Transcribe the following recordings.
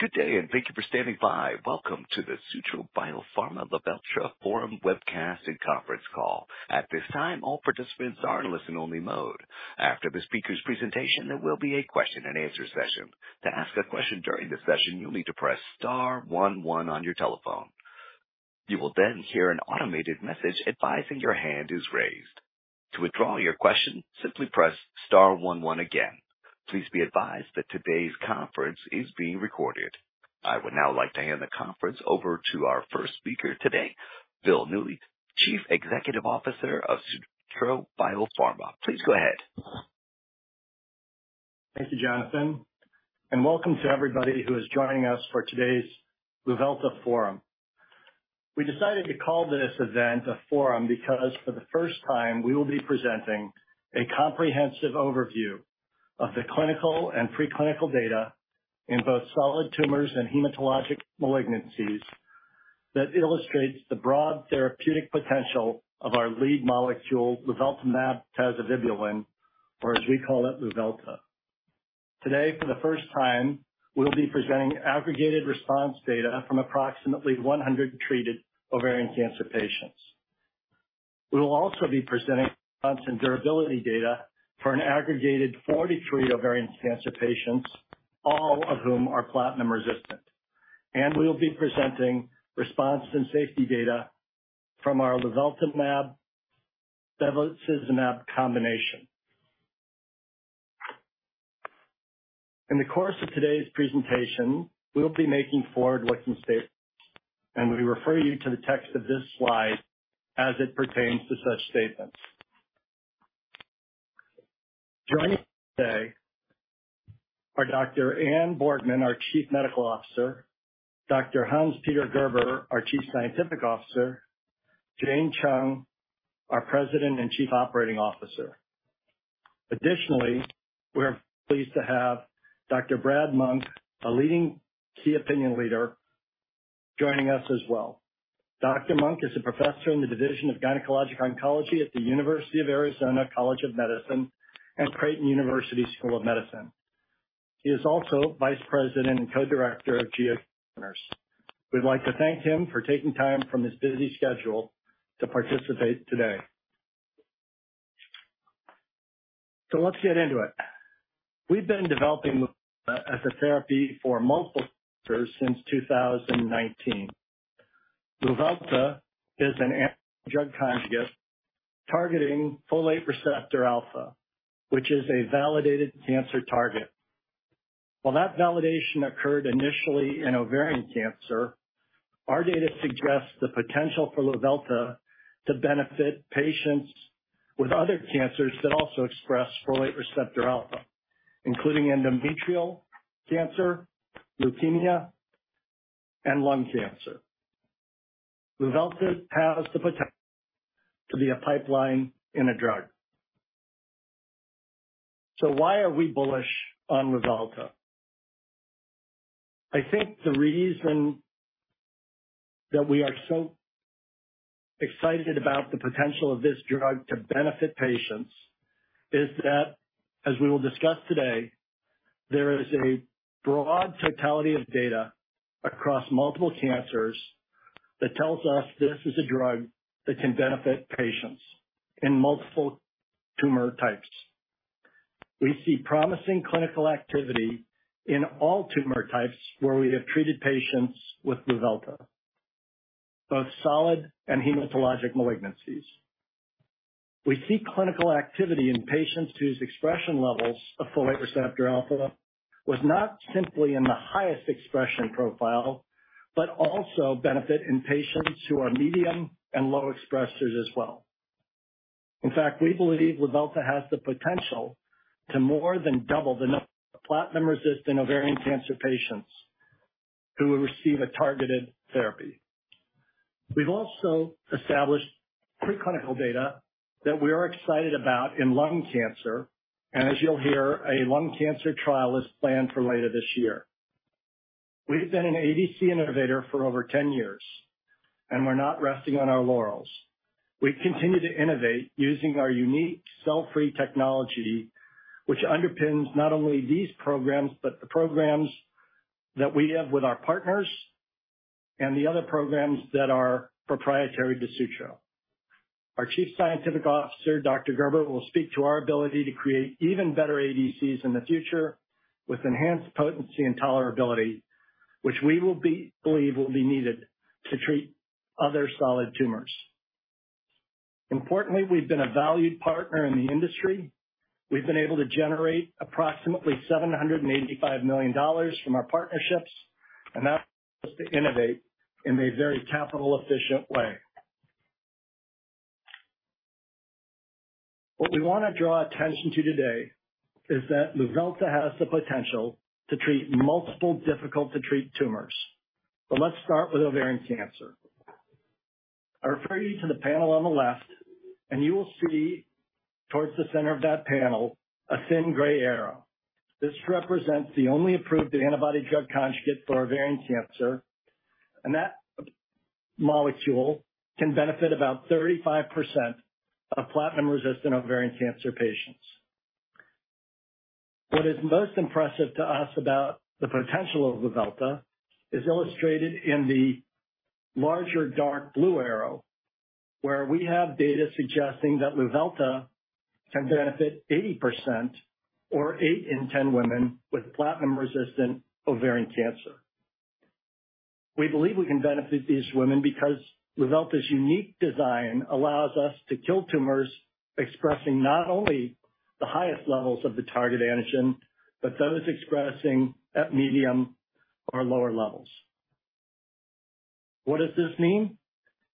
Good day, and thank you for standing by. Welcome to the Sutro Biopharma Luvelta Forum Webcast and conference call. At this time, all participants are in listen-only mode. After the speaker's presentation, there will be a question-and-answer session. To ask a question during the session, you'll need to press star one one on your telephone. You will then hear an automated message advising your hand is raised. To withdraw your question, simply press star one one again. Please be advised that today's conference is being recorded. I would now like to hand the conference over to our first speaker today, Bill Newell, Chief Executive Officer of Sutro Biopharma. Please go ahead. Thank you, Jonathan, and welcome to everybody who is joining us for today's Luvelta Forum. We decided to call this event a forum because for the first time, we will be presenting a comprehensive overview of the clinical and preclinical data in both solid tumors and hematologic malignancies that illustrates the broad therapeutic potential of our lead molecule, luveltamab tazevibulin, or as we call it, Luvelta. Today, for the first time, we'll be presenting aggregated response data from approximately 100 treated ovarian cancer patients. We will also be presenting response and durability data for an aggregated 43 ovarian cancer patients, all of whom are platinum-resistant. And we will be presenting response and safety data from our luveltamab tazevibulin bevacizumab combination. In the course of today's presentation, we'll be making forward-looking statements, and we refer you to the text of this slide as it pertains to such statements. Joining me today are Dr. Anne Borgman, our Chief Medical Officer, Dr. Hans-Peter Gerber, our Chief Scientific Officer, Jane Chung, our President and Chief Operating Officer. Additionally, we're pleased to have Dr. Brad Monk, a leading key opinion leader, joining us as well. Dr. Monk is a professor in the Division of Gynecologic Oncology at the University of Arizona College of Medicine and Creighton University School of Medicine. He is also Vice President and Co-director of GOG Partners. We'd like to thank him for taking time from his busy schedule to participate today. So let's get into it. We've been developing as a therapy for multiple since 2019. Luvelta is a drug conjugate targeting folate receptor alpha, which is a validated cancer target. While that validation occurred initially in ovarian cancer, our data suggests the potential for Luvelta to benefit patients with other cancers that also express folate receptor alpha, including endometrial cancer, leukemia, and lung cancer. Luvelta has the potential to be a pipeline in a drug. So why are we bullish on Luvelta? I think the reason that we are so excited about the potential of this drug to benefit patients is that, as we will discuss today, there is a broad totality of data across multiple cancers that tells us this is a drug that can benefit patients in multiple tumor types. We see promising clinical activity in all tumor types where we have treated patients with Luvelta, both solid and hematologic malignancies. We see clinical activity in patients whose expression levels of folate receptor alpha was not simply in the highest expression profile, but also benefit in patients who are medium and low expressors as well. In fact, we believe Luvelta has the potential to more than double the number of platinum-resistant ovarian cancer patients who will receive a targeted therapy. We've also established preclinical data that we are excited about in lung cancer, and as you'll hear, a lung cancer trial is planned for later this year. We've been an ADC innovator for over 10 years, and we're not resting on our laurels. We continue to innovate using our unique cell-free technology, which underpins not only these programs, but the programs that we have with our partners and the other programs that are proprietary to Sutro. Our Chief Scientific Officer, Dr. Gerber will speak to our ability to create even better ADCs in the future with enhanced potency and tolerability, which we believe will be needed to treat other solid tumors. Importantly, we've been a valued partner in the industry. We've been able to generate approximately $785 million from our partnerships, allowing us to innovate in a very capital-efficient way. What we want to draw attention to today is that Luvelta has the potential to treat multiple difficult-to-treat tumors. But let's start with ovarian cancer. I refer you to the panel on the left, and you will see towards the center of that panel, a thin gray arrow. This represents the only approved antibody-drug conjugate for ovarian cancer, and that molecule can benefit about 35% of platinum-resistant ovarian cancer patients. What is most impressive to us about the potential of Luvelta is illustrated in the larger dark blue arrow, where we have data suggesting that Luvelta can benefit 80% or 8 in 10 women with platinum-resistant ovarian cancer. We believe we can benefit these women because Luvelta's unique design allows us to kill tumors expressing not only the highest levels of the target antigen, but those expressing at medium or lower levels. What does this mean?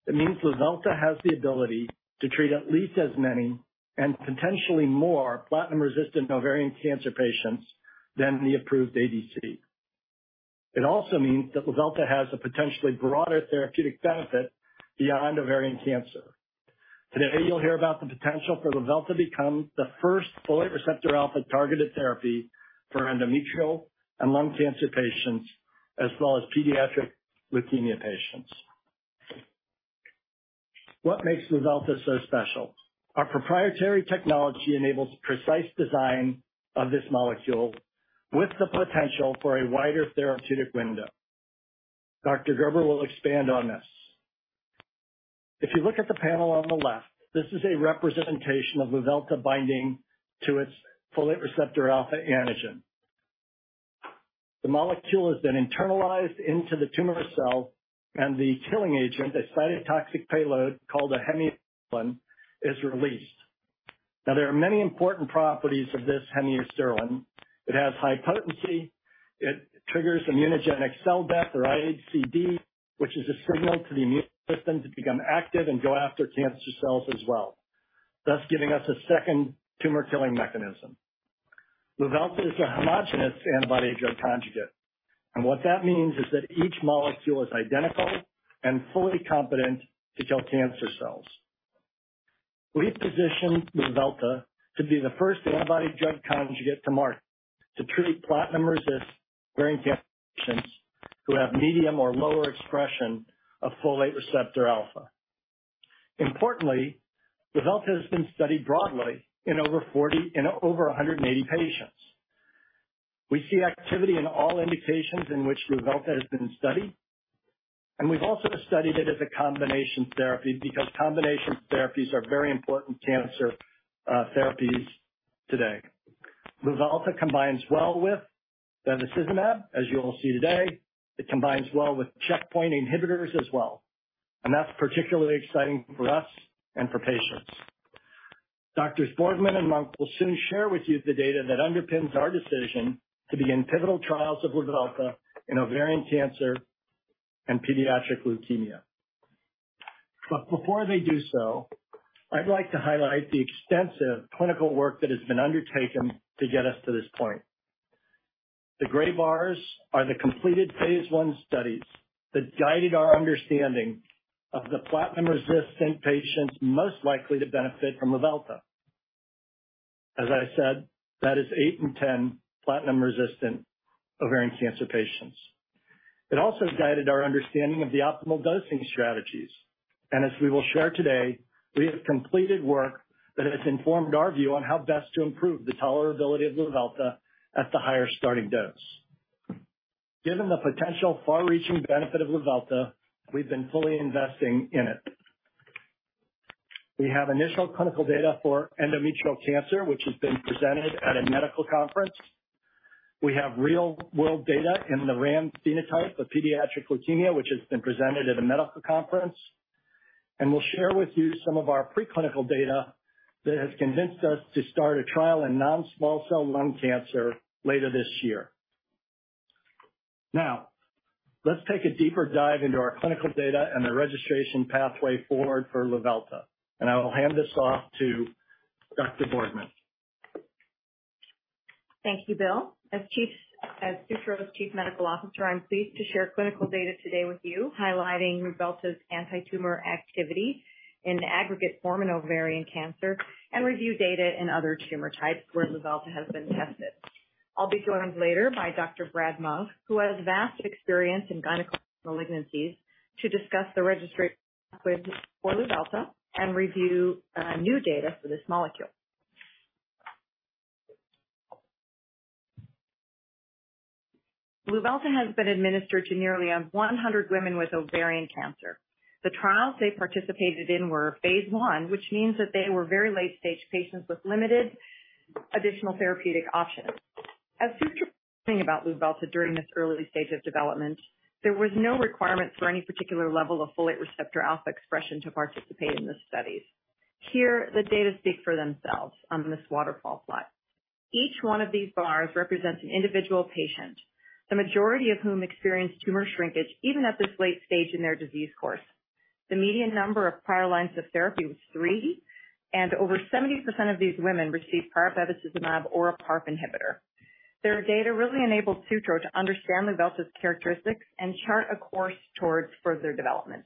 It means Luvelta has the ability to treat at least as many and potentially more platinum-resistant ovarian cancer patients than the approved ADC. It also means that Luvelta has a potentially broader therapeutic benefit beyond ovarian cancer. Today, you'll hear about the potential for Luvelta to become the first folate receptor alpha-targeted therapy for endometrial and lung cancer patients, as well as pediatric leukemia patients. What makes Luvelta so special? Our proprietary technology enables precise design of this molecule with the potential for a wider therapeutic window. Dr. Gerber will expand on this. If you look at the panel on the left, this is a representation of Luvelta binding to its folate receptor alpha antigen. The molecule has been internalized into the tumor cell, and the killing agent, a cytotoxic payload called a hemiasterlin, is released. Now, there are many important properties of this hemiasterlin. It has high potency. It triggers immunogenic cell death, or ICD, which is a signal to the immune system to become active and go after cancer cells as well, thus giving us a second tumor-killing mechanism. Luvelta is a homogeneous antibody drug conjugate, and what that means is that each molecule is identical and fully competent to kill cancer cells. We positioned Luvelta to be the first antibody-drug conjugate to market, to treat platinum-resistant ovarian cancer patients who have medium or lower expression of folate receptor alpha. Importantly, Luvelta has been studied broadly in over 180 patients. We see activity in all indications in which Luvelta has been studied, and we've also studied it as a combination therapy because combination therapies are very important cancer therapies today. Luvelta combines well with bevacizumab, as you will see today. It combines well with checkpoint inhibitors as well, and that's particularly exciting for us and for patients. Doctors Borgman and Monk will soon share with you the data that underpins our decision to begin pivotal trials of Luvelta in ovarian cancer and pediatric leukemia. But before they do so, I'd like to highlight the extensive clinical work that has been undertaken to get us to this point. The gray bars are the completed Phase I studies that guided our understanding of the platinum-resistant patients most likely to benefit from Luvelta. As I said, that is 8 in 10 platinum-resistant ovarian cancer patients. It also guided our understanding of the optimal dosing strategies, and as we will share today, we have completed work that has informed our view on how best to improve the tolerability of Luvelta at the higher starting dose. Given the potential far-reaching benefit of Luvelta, we've been fully investing in it. We have initial clinical data for endometrial cancer, which has been presented at a medical conference. We have real-world data in the RAM phenotype for pediatric leukemia, which has been presented at a medical conference, and we'll share with you some of our preclinical data that has convinced us to start a trial in non-small cell lung cancer later this year. Now, let's take a deeper dive into our clinical data and the registration pathway forward for Luvelta, and I will hand this off to Dr. Borgman. Thank you, Bill. As Sutro's Chief Medical Officer, I'm pleased to share clinical data today with you, highlighting Luvelta's antitumor activity in aggregate form in ovarian cancer and review data in other tumor types where Luvelta has been tested. I'll be joined later by Dr. Brad Monk, who has vast experience in gynecologic malignancies, to discuss the registration pathway for Luvelta and review new data for this molecule. Luvelta has been administered to nearly 100 women with ovarian cancer. The trials they participated in were Phase I, which means that they were very late-stage patients with limited additional therapeutic options. As we thought about Luvelta during this early stage of development, there was no requirement for any particular level of folate receptor alpha expression to participate in the studies. Here, the data speak for themselves on this waterfall plot. Each one of these bars represents an individual patient, the majority of whom experienced tumor shrinkage even at this late stage in their disease course. The median number of prior lines of therapy was three, and over 70% of these women received PARP bevacizumab or a PARP inhibitor. Their data really enabled Sutro to understand Luvelta's characteristics and chart a course towards further development.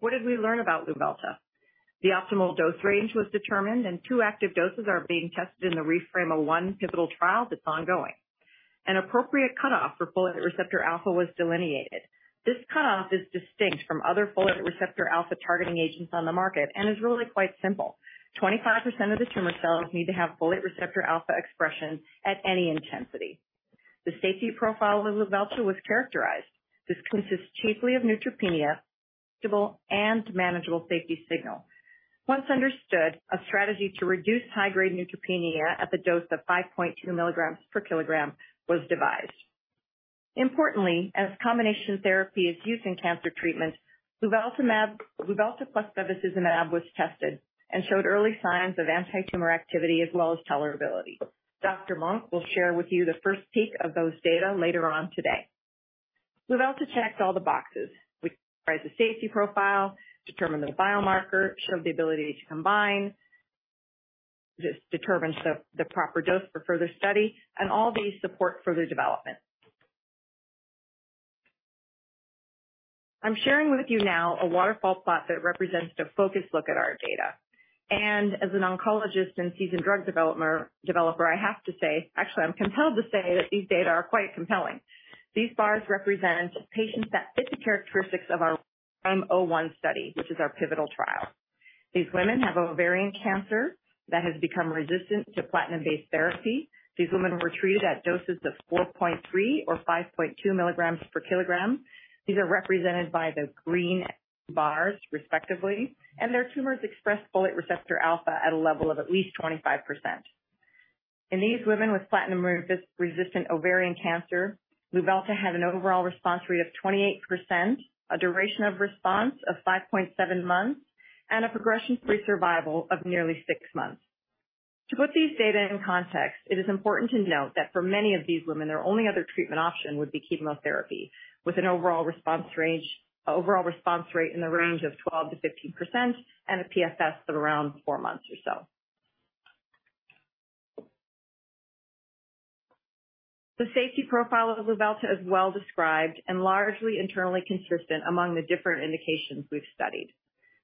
What did we learn about Luvelta? The optimal dose range was determined, and two active doses are being tested in the REFRAME-O1 pivotal trial that's ongoing. An appropriate cutoff for folate receptor alpha was delineated. This cutoff is distinct from other folate receptor alpha-targeting agents on the market and is really quite simple. 25% of the tumor cells need to have folate receptor alpha expression at any intensity. The safety profile of Luvelta was characterized. This consists chiefly of neutropenia, stable and manageable safety signal. Once understood, a strategy to reduce high-grade neutropenia at the dose of 5.2 milligrams per kilogram was devised. Importantly, as combination therapy is used in cancer treatment, luveltamab- Luvelta plus bevacizumab was tested and showed early signs of antitumor activity as well as tolerability. Dr. Monk will share with you the first peek of those data later on today. Luvelta checked all the boxes. We tried the safety profile, determined the biomarker, showed the ability to combine this, determined the proper dose for further study, and all these support further development. I'm sharing with you now a waterfall plot that represents a focused look at our data. As an oncologist and seasoned drug developer, I have to say, actually, I'm compelled to say that these data are quite compelling. These bars represent patients that fit the characteristics of our REFRAME-O1 study, which is our pivotal trial. These women have ovarian cancer that has become resistant to platinum-based therapy. These women were treated at doses of 4.3 or 5.2 milligrams per kilogram. These are represented by the green bars, respectively, and their tumors express folate receptor alpha at a level of at least 25%. In these women with platinum-resistant ovarian cancer, Luvelta had an overall response rate of 28%, a duration of response of 5.7 months, and a progression-free survival of nearly 6 months. To put these data in context, it is important to note that for many of these women, their only other treatment option would be chemotherapy, with an overall response rate in the range of 12%-15% and a PFS of around four months or so. The safety profile of Luvelta is well described and largely internally consistent among the different indications we've studied.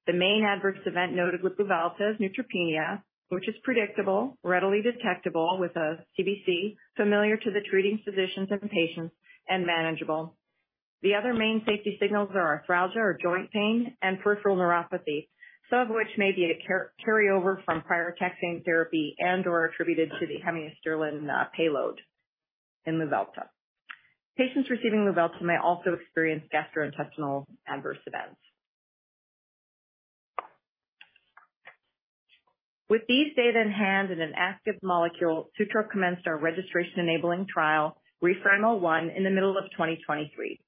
The main adverse event noted with Luvelta is neutropenia, which is predictable, readily detectable with a CBC, familiar to the treating physicians and patients, and manageable. The other main safety signals are arthralgia or joint pain and peripheral neuropathy, some of which may be a carryover from prior taxane therapy and/or attributed to the hemiasterlin payload in Luvelta. Patients receiving Luvelta may also experience gastrointestinal adverse events. With these data in hand and an active molecule, Sutro commenced our registration-enabling trial, REFRAME-O1, in the middle of 2023.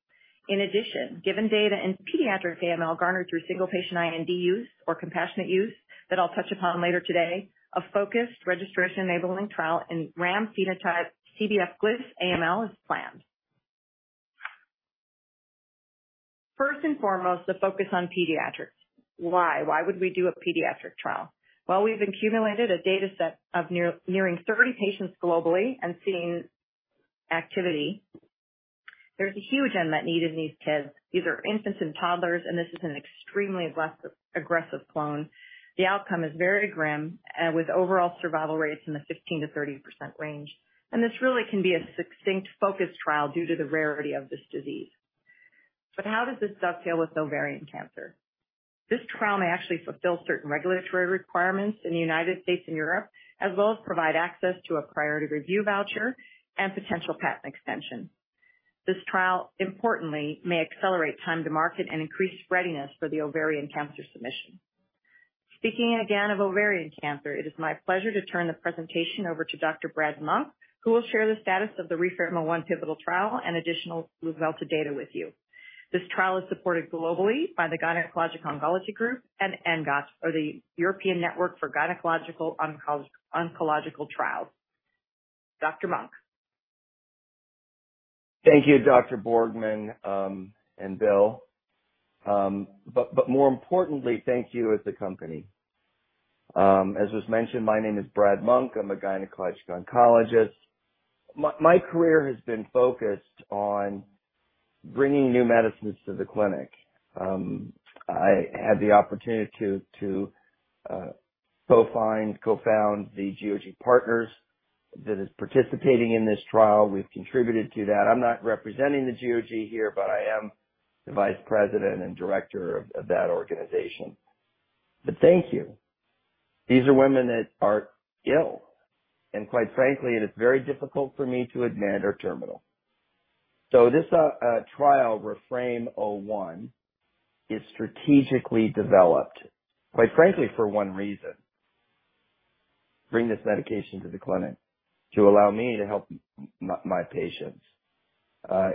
In addition, given data in pediatric AML garnered through single-patient IND use or compassionate use, that I'll touch upon later today, a focused registration-enabling trial in RAM phenotype CBF-GLIS AML is planned. First and foremost, the focus on pediatrics. Why? Why would we do a pediatric trial? While we've accumulated a data set of nearing 30 patients globally and seeing activity, there's a huge unmet need in these kids. These are infants and toddlers, and this is an extremely aggressive clone. The outcome is very grim, with overall survival rates in the 15%-30% range, and this really can be a succinct, focused trial due to the rarity of this disease. But how does this dovetail with ovarian cancer? This trial may actually fulfill certain regulatory requirements in the United States and Europe, as well as provide access to a priority review voucher and potential patent extension. This trial, importantly, may accelerate time to market and increase readiness for the ovarian cancer submission. Speaking again of ovarian cancer, it is my pleasure to turn the presentation over to Dr. Brad Monk, who will share the status of the REFRAME-O1 pivotal trial and additional Luvelta data with you. This trial is supported globally by the Gynecologic Oncology Group and ENGOT, or the European Network for Gynecological Oncological Trials. Dr. Monk? Thank you, Dr. Borgman, and Bill. But more importantly, thank you as a company. As was mentioned, my name is Brad Monk. I'm a gynecologic oncologist. My career has been focused on bringing new medicines to the clinic. I had the opportunity to co-found the GOG Partners that is participating in this trial. We've contributed to that. I'm not representing the GOG here, but I am the vice president and director of that organization. But thank you. These are women that are ill, and quite frankly, it is very difficult for me to admit are terminal. So this trial, REFRAME-O1, is strategically developed, quite frankly, for one reason: bring this medication to the clinic to allow me to help my patients.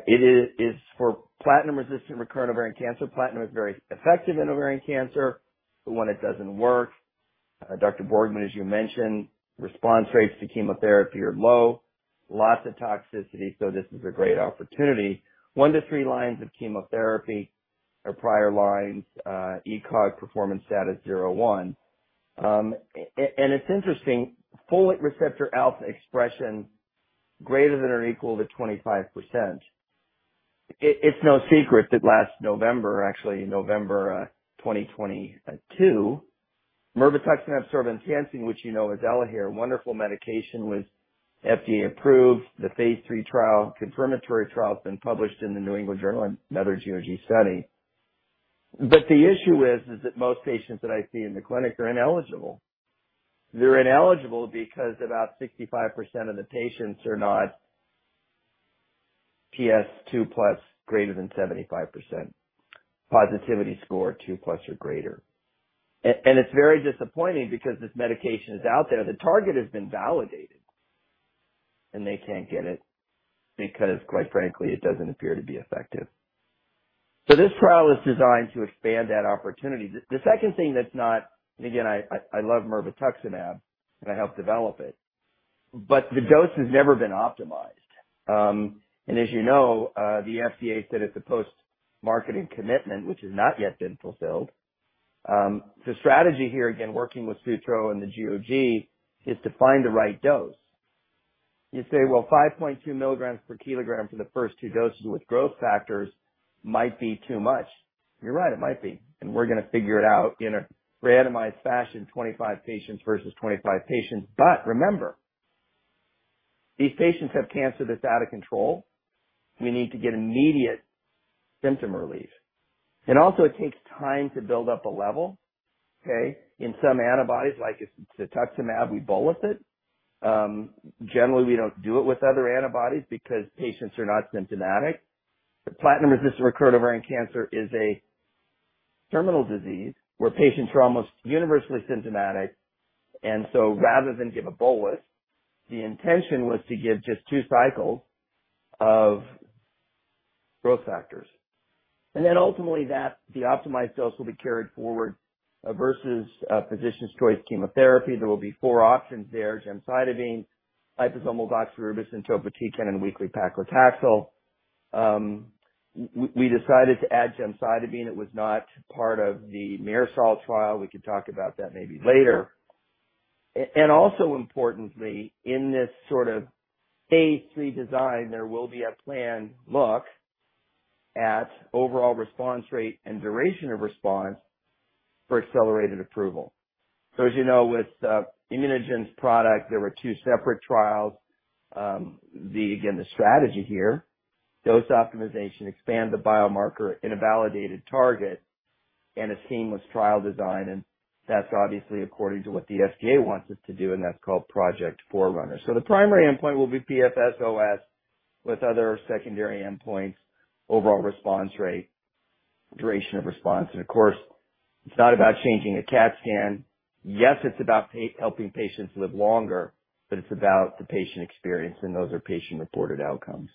It is, it's for platinum-resistant recurrent ovarian cancer. Platinum is very effective in ovarian cancer, but when it doesn't work, Dr. Borgman, as you mentioned, response rates to chemotherapy are low, lots of toxicity, so this is a great opportunity. 1-3 lines of chemotherapy or prior lines, ECOG performance status 0-1. And it's interesting, folate receptor alpha expression greater than or equal to 25%.... It's no secret that last November, actually November 2022, mirvetuximab soravtansine, which, you know, is ELAHERE, wonderful medication, was FDA approved. The Phase III trial, confirmatory trial, has been published in the New England Journal of Medicine GOG study. But the issue is, is that most patients that I see in the clinic are ineligible. They're ineligible because about 65% of the patients are not PS 2+, greater than 75% positivity score, 2+ or greater. It's very disappointing because this medication is out there. The target has been validated, and they can't get it because, quite frankly, it doesn't appear to be effective. So this trial is designed to expand that opportunity. The second thing that's not, and again, I love mirvetuximab, and I helped develop it, but the dose has never been optimized. And as you know, the FDA said it's a post-marketing commitment, which has not yet been fulfilled. The strategy here, again, working with Sutro and the GOG, is to find the right dose. You say, "Well, 5.2 milligrams per kilogram for the first two doses with growth factors might be too much." You're right, it might be, and we're gonna figure it out in a randomized fashion, 25 patients versus 25 patients. But remember, these patients have cancer that's out of control. We need to get immediate symptom relief. And also it takes time to build up a level, okay? In some antibodies, like if it's cetuximab, we bolus it. Generally, we don't do it with other antibodies because patients are not symptomatic. But platinum-resistant recurrent ovarian cancer is a terminal disease, where patients are almost universally symptomatic. And so rather than give a bolus, the intention was to give just two cycles of growth factors. And then ultimately, the optimized dose will be carried forward versus physician's choice chemotherapy. There will be four options there: gemcitabine, liposomal doxorubicin, topotecan, and weekly paclitaxel. We decided to add gemcitabine. It was not part of the MIRASOL trial. We could talk about that maybe later. And also importantly, in this sort of phase III design, there will be a planned look at overall response rate and duration of response for accelerated approval. So as you know, with ImmunoGen's product, there were two separate trials. Again, the strategy here, dose optimization, expand the biomarker in a validated target and a seamless trial design, and that's obviously according to what the FDA wants us to do, and that's called Project FrontRunner. So the PRIMAry endpoint will be PFS OS, with other secondary endpoints, overall response rate, duration of response, and of course, it's not about changing a CAT scan. Yes, it's about helping patients live longer, but it's about the patient experience, and those are patient-reported outcomes.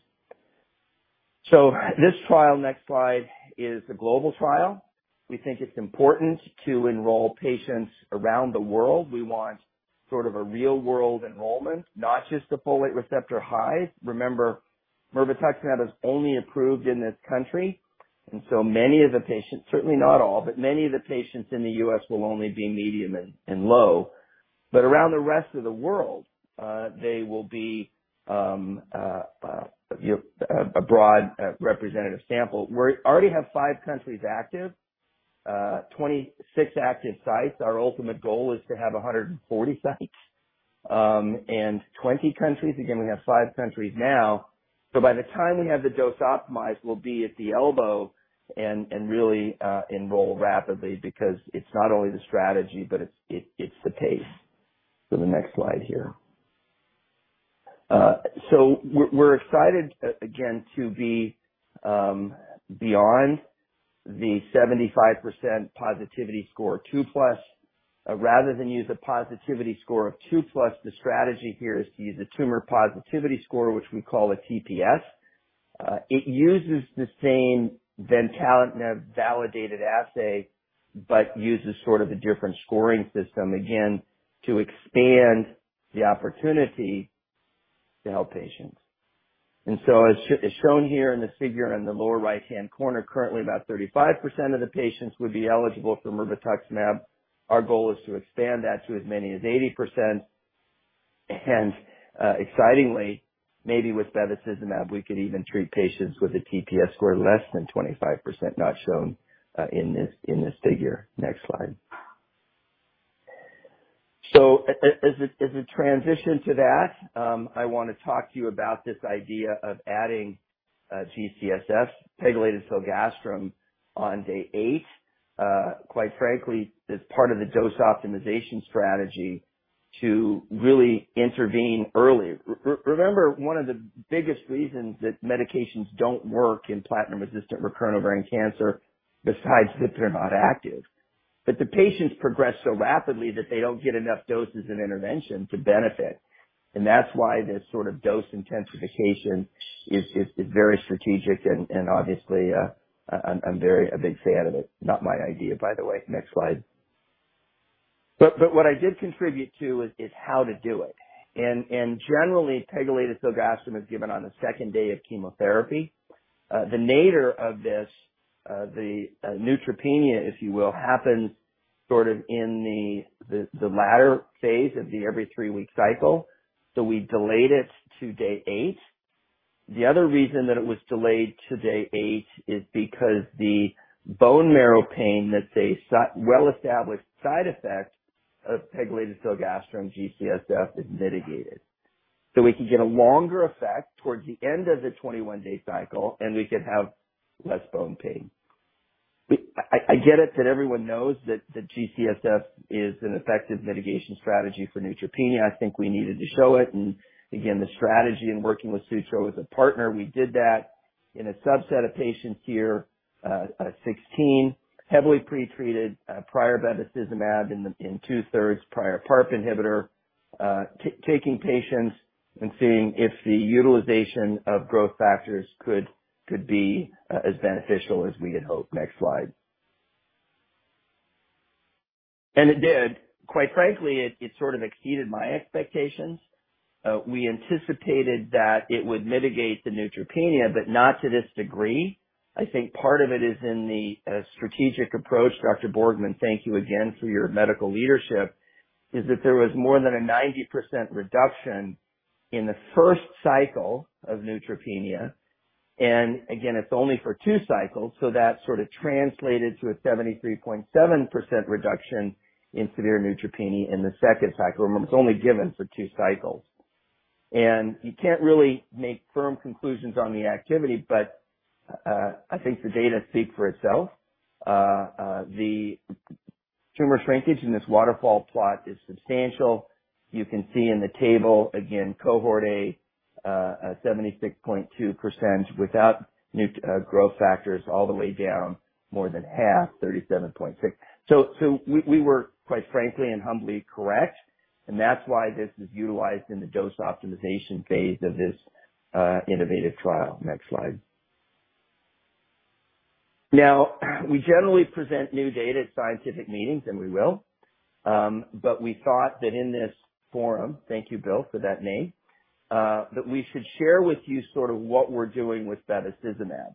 So this trial, next slide, is a global trial. We think it's important to enroll patients around the world. We want sort of a real-world enrollment, not just the folate receptor high. Remember, mirvetuximab is only approved in this country, and so many of the patients, certainly not all, but many of the patients in the U.S. will only be medium and, and low. But around the rest of the world, they will be, you know, a broad, representative sample. We already have 5 countries active, 26 active sites. Our ultimate goal is to have 140 sites, and 20 countries. Again, we have 5 countries now, so by the time we have the dose optimized, we'll be at the elbow and, and really, enroll rapidly because it's not only the strategy, but it's the pace. So the next slide here. So we're excited again to be beyond the 75% positivity score, 2+. Rather than use a positivity score of 2+, the strategy here is to use a tumor proportion score, which we call a TPS. It uses the same Ventana validated assay, but uses sort of a different scoring system, again, to expand the opportunity to help patients. And so as shown here in the figure, in the lower right-hand corner, currently, about 35% of the patients would be eligible for mirvetuximab. Our goal is to expand that to as many as 80%, and, excitingly, maybe with bevacizumab, we could even treat patients with a TPS score less than 25%, not shown in this figure. Next slide. So as it transition to that, I wanna talk to you about this idea of adding G-CSF, pegfilgrastim, on day 8. Quite frankly, as part of the dose optimization strategy to really intervene early. Remember, one of the biggest reasons that medications don't work in platinum-resistant recurrent ovarian cancer, besides that they're not active, but the patients progress so rapidly that they don't get enough doses and intervention to benefit. And that's why this sort of dose intensification is very strategic and obviously I'm very a big fan of it. Not my idea, by the way. Next slide. But what I did contribute to is how to do it, and generally, pegfilgrastim is given on the second day of chemotherapy. The nadir of this, the neutropenia, if you will, happens-... Sort of in the latter Phase of the every 3-week cycle, so we delayed it to day 8. The other reason that it was delayed to day 8 is because the bone marrow pain, that's a well-established side effect of pegfilgrastim G-CSF, is mitigated. So we could get a longer effect towards the end of the 21-day cycle, and we could have less bone pain. I get it, that everyone knows that G-CSF is an effective mitigation strategy for neutropenia. I think we needed to show it, and again, the strategy in working with Sutro as a partner, we did that in a subset of patients here, 16, heavily pretreated, prior bevacizumab in two-thirds, prior PARP inhibitor. Taking patients and seeing if the utilization of growth factors could be as beneficial as we had hoped. Next slide. It did. Quite frankly, it sort of exceeded my expectations. We anticipated that it would mitigate the neutropenia, but not to this degree. I think part of it is in the strategic approach. Dr. Borgman, thank you again for your medical leadership, is that there was more than a 90% reduction in the first cycle of neutropenia, and again, it's only for two cycles, so that sort of translated to a 73.7% reduction in severe neutropenia in the second cycle. Remember, it's only given for two cycles. You can't really make firm conclusions on the activity, but I think the data speak for itself. The tumor shrinkage in this waterfall plot is substantial. You can see in the table, again, cohort A, a 76.2% without growth factors all the way down, more than half, 37.6. So, we were quite frankly and humbly correct, and that's why this is utilized in the dose optimization phase of this innovative trial. Next slide. Now, we generally present new data at scientific meetings, and we will, but we thought that in this forum, thank you, Bill, for that name, that we should share with you sort of what we're doing with bevacizumab.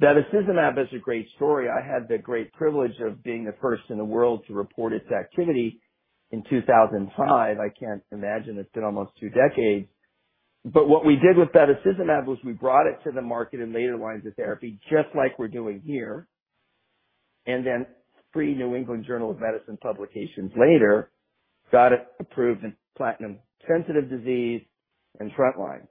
Bevacizumab is a great story. I had the great privilege of being the first in the world to report its activity in 2005. I can't imagine it's been almost two decades. But what we did with bevacizumab was we brought it to the market in later lines of therapy, just like we're doing here, and then three New England Journal of Medicine publications later, got it approved in platinum sensitive disease and frontline.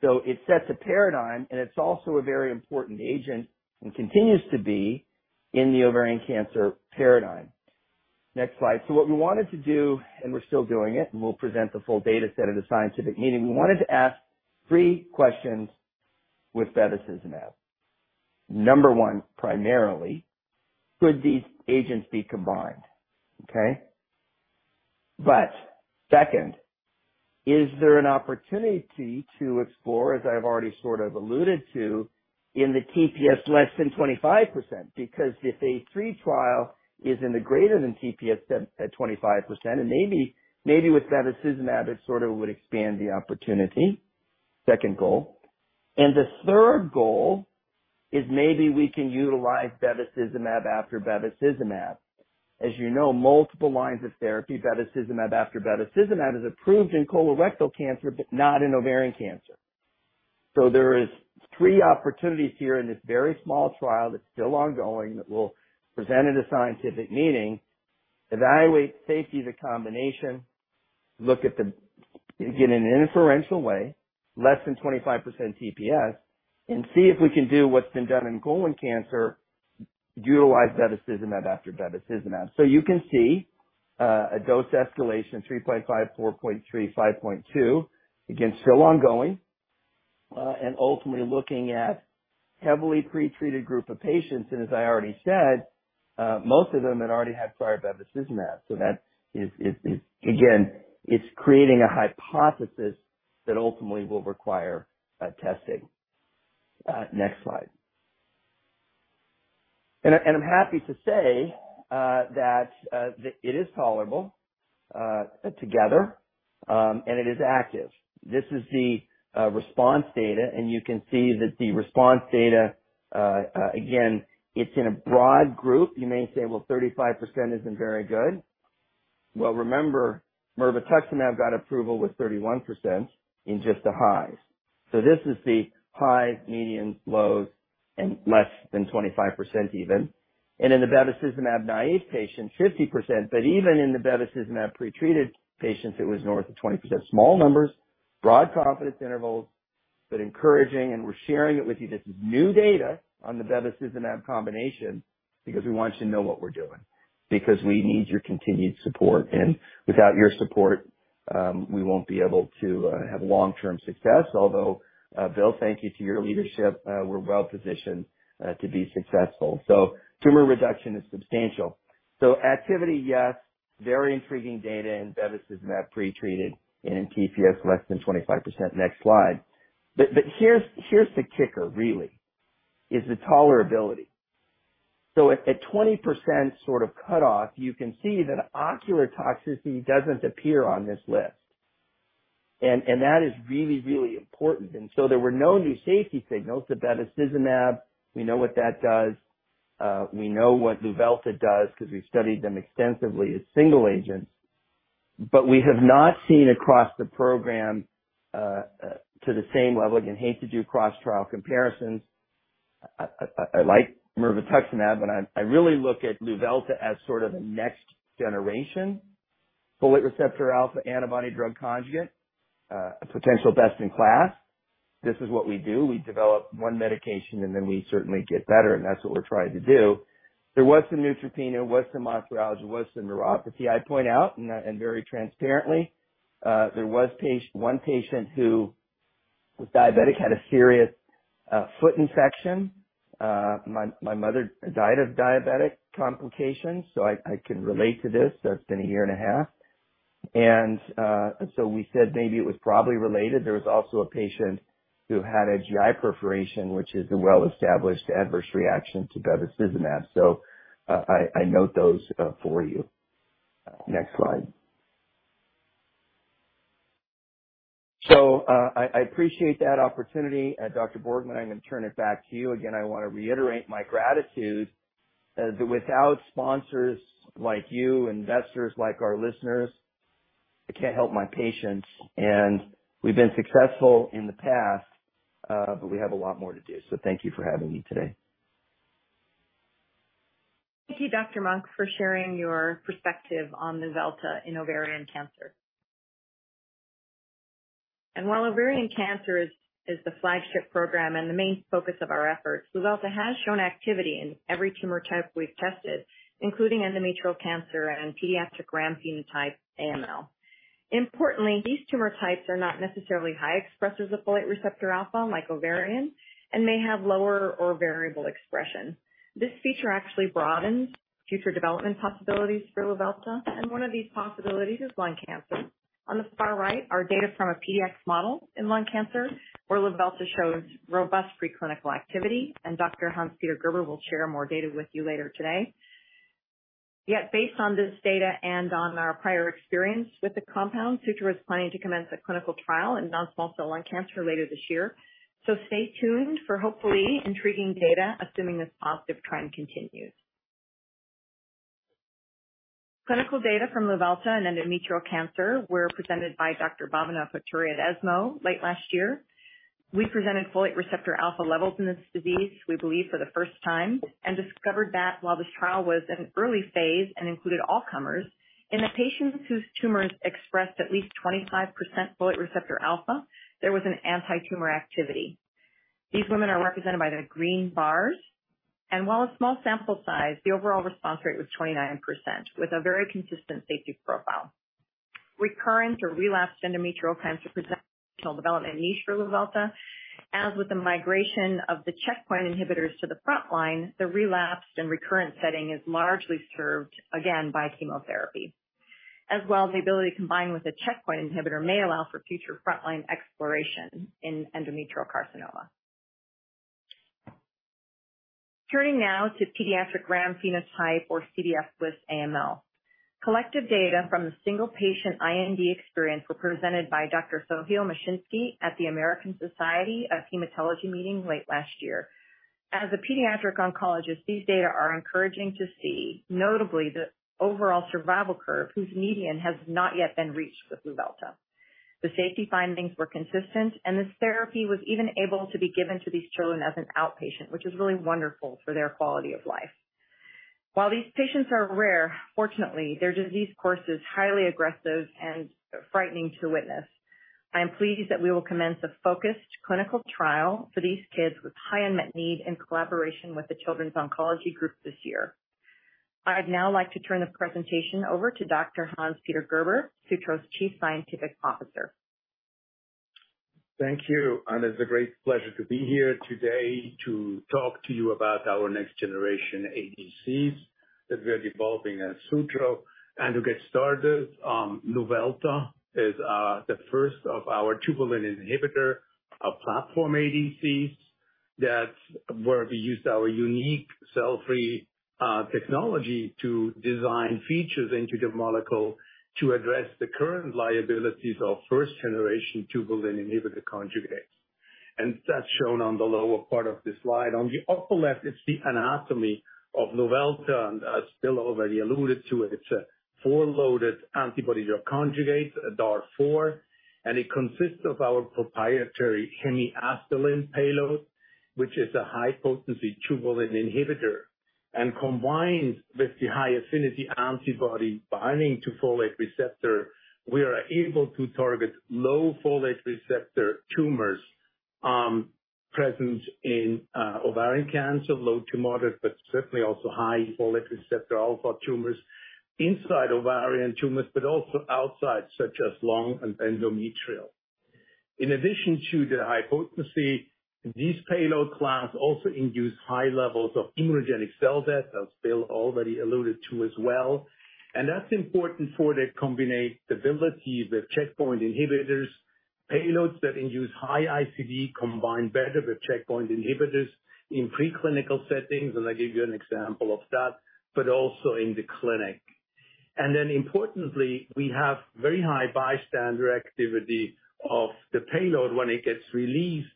So it sets a paradigm, and it's also a very important agent and continues to be in the ovarian cancer paradigm. Next slide. So what we wanted to do, and we're still doing it, and we'll present the full data set at a scientific meeting. We wanted to ask three questions with bevacizumab. Number one, PRIMArily, could these agents be combined? Okay. But second, is there an opportunity to explore, as I've already sort of alluded to, in the TPS less than 25%? Because if a Phase III trial is in the greater than 25% TPS, and maybe with bevacizumab, it sort of would expand the opportunity. Second goal. The third goal is maybe we can utilize bevacizumab after bevacizumab. As you know, multiple lines of therapy, bevacizumab after bevacizumab, is approved in colorectal cancer, but not in ovarian cancer. So there are three opportunities here in this very small trial that's still ongoing, that we'll present at a scientific meeting, evaluate safety of the combination, look at the again, in an inferential way, less than 25% TPS, and see if we can do what's been done in colon cancer, utilize bevacizumab after bevacizumab. So you can see, a dose escalation, 3.5, 4.3, 5.2. Again, still ongoing, and ultimately looking at heavily pretreated group of patients, and as I already said, most of them had already had prior bevacizumab. So that is again, it's creating a hypothesis that ultimately will require testing. Next slide. And I'm happy to say that it is tolerable together, and it is active. This is the response data, and you can see that the response data again, it's in a broad group. You may say, "Well, 35% isn't very good." Well, remember, mirvetuximab got approval with 31% in just the highs. So this is the highs, mediums, lows, and less than 25% even. And in the bevacizumab naive patients, 50%, but even in the bevacizumab pretreated patients, it was north of 20%. Small numbers, broad confidence intervals, but encouraging, and we're sharing it with you. This is new data on the bevacizumab combination because we want you to know what we're doing, because we need your continued support. And without your support, we won't be able to have long-term success. Although, Bill, thank you to your leadership, we're well positioned to be successful. So tumor reduction is substantial. So activity, yes, very intriguing data in bevacizumab pretreated and in TPS less than 25%. Next slide. But here's the kicker really, is the tolerability. So at the 20% sort of cutoff, you can see that ocular toxicity doesn't appear on this list... And that is really, really important. And so there were no new safety signals. Bevacizumab, we know what that does. We know what Luvelta does because we've studied them extensively as single agents. But we have not seen across the program to the same level. Again, hate to do cross-trial comparisons. I like mirvetuximab, but I really look at Luvelta as sort of a next generation folate receptor alpha antibody drug conjugate, a potential best-in-class. This is what we do. We develop one medication, and then we certainly get better, and that's what we're trying to do. There was some neutropenia, some mucositis, some neuropathy. I point out, and very transparently, there was one patient who was diabetic, had a serious foot infection. My mother died of diabetic complications, so I can relate to this. That's been a year and a half. And so we said maybe it was probably related. There was also a patient who had a GI perforation, which is a well-established adverse reaction to bevacizumab. So, I note those for you. Next slide. So, I appreciate that opportunity, and Dr. Borgman, I'm going to turn it back to you. Again, I want to reiterate my gratitude that without sponsors like you, investors like our listeners, I can't help my patients. And we've been successful in the past, but we have a lot more to do. So thank you for having me today. Thank you, Dr. Monk, for sharing your perspective on Luvelta in ovarian cancer. While ovarian cancer is the flagship program and the main focus of our efforts, Luvelta has shown activity in every tumor type we've tested, including endometrial cancer and pediatric RAM phenotype AML. Importantly, these tumor types are not necessarily high expressers of folate receptor alpha, like ovarian, and may have lower or variable expression. This feature actually broadens future development possibilities for Luvelta, and one of these possibilities is lung cancer. On the far right are data from a PDX model in lung cancer, where Luvelta shows robust preclinical activity, and Dr. Hans-Peter Gerber will share more data with you later today. Yet, based on this data and on our prior experience with the compound, Sutro is planning to commence a clinical trial in non-small cell lung cancer later this year. So stay tuned for hopefully intriguing data, assuming this positive trend continues. Clinical data from Luvelta and endometrial cancer were presented by Dr. Bhavana Patel at ESMO late last year. We presented folate receptor alpha levels in this disease, we believe for the first time, and discovered that while this trial was at an early phase and included all comers, in the patients whose tumors expressed at least 25% folate receptor alpha, there was an anti-tumor activity. These women are represented by the green bars, and while a small sample size, the overall response rate was 29%, with a very consistent safety profile. Recurrent or relapsed endometrial cancer presents a potential development niche for Luvelta. As with the migration of the checkpoint inhibitors to the front line, the relapsed and recurrent setting is largely served, again, by chemotherapy, as well as the ability to combine with a checkpoint inhibitor may allow for future frontline exploration in endometrial carcinoma. Turning now to pediatric RAM phenotype, or CBF/GLIS, with AML. Collective data from the single patient IND experience were presented by Dr. Soheil Meshinchi at the American Society of Hematology meeting late last year. As a pediatric oncologist, these data are encouraging to see, notably the overall survival curve, whose median has not yet been reached with Luvelta. The safety findings were consistent, and this therapy was even able to be given to these children as an outpatient, which is really wonderful for their quality of life. While these patients are rare, fortunately, their disease course is highly aggressive and frightening to witness. I am pleased that we will commence a focused clinical trial for these kids with high unmet need in collaboration with the Children's Oncology Group this year. I'd now like to turn the presentation over to Dr. Hans-Peter Gerber, Sutro's Chief Scientific Officer. Thank you, and it's a great pleasure to be here today to talk to you about our next generation ADCs that we are developing at Sutro. To get started, Luvelta is the first of our tubulin inhibitor platform ADCs, that's where we used our unique cell-free technology to design features into the molecule to address the current liabilities of first generation tubulin inhibitor conjugates. And that's shown on the lower part of this slide. On the upper left is the anatomy of Luvelta, and as Bill already alluded to it, it's a 4-loaded antibody drug conjugate, a DAR 4, and it consists of our proprietary hemiasterlin payload, which is a high-potency tubulin inhibitor. And combined with the high-affinity antibody binding to folate receptor, we are able to target low folate receptor tumors present in ovarian cancer, low to moderate, but certainly also high folate receptor alpha tumors inside ovarian tumors, but also outside, such as lung and endometrial. In addition to the high potency, these payload class also induce high levels of immunogenic cell death, as Bill already alluded to as well, and that's important for the combinability with checkpoint inhibitors. Payloads that induce high ICD combine better with checkpoint inhibitors in preclinical settings, and I'll give you an example of that, but also in the clinic... And then importantly, we have very high bystander activity of the payload when it gets released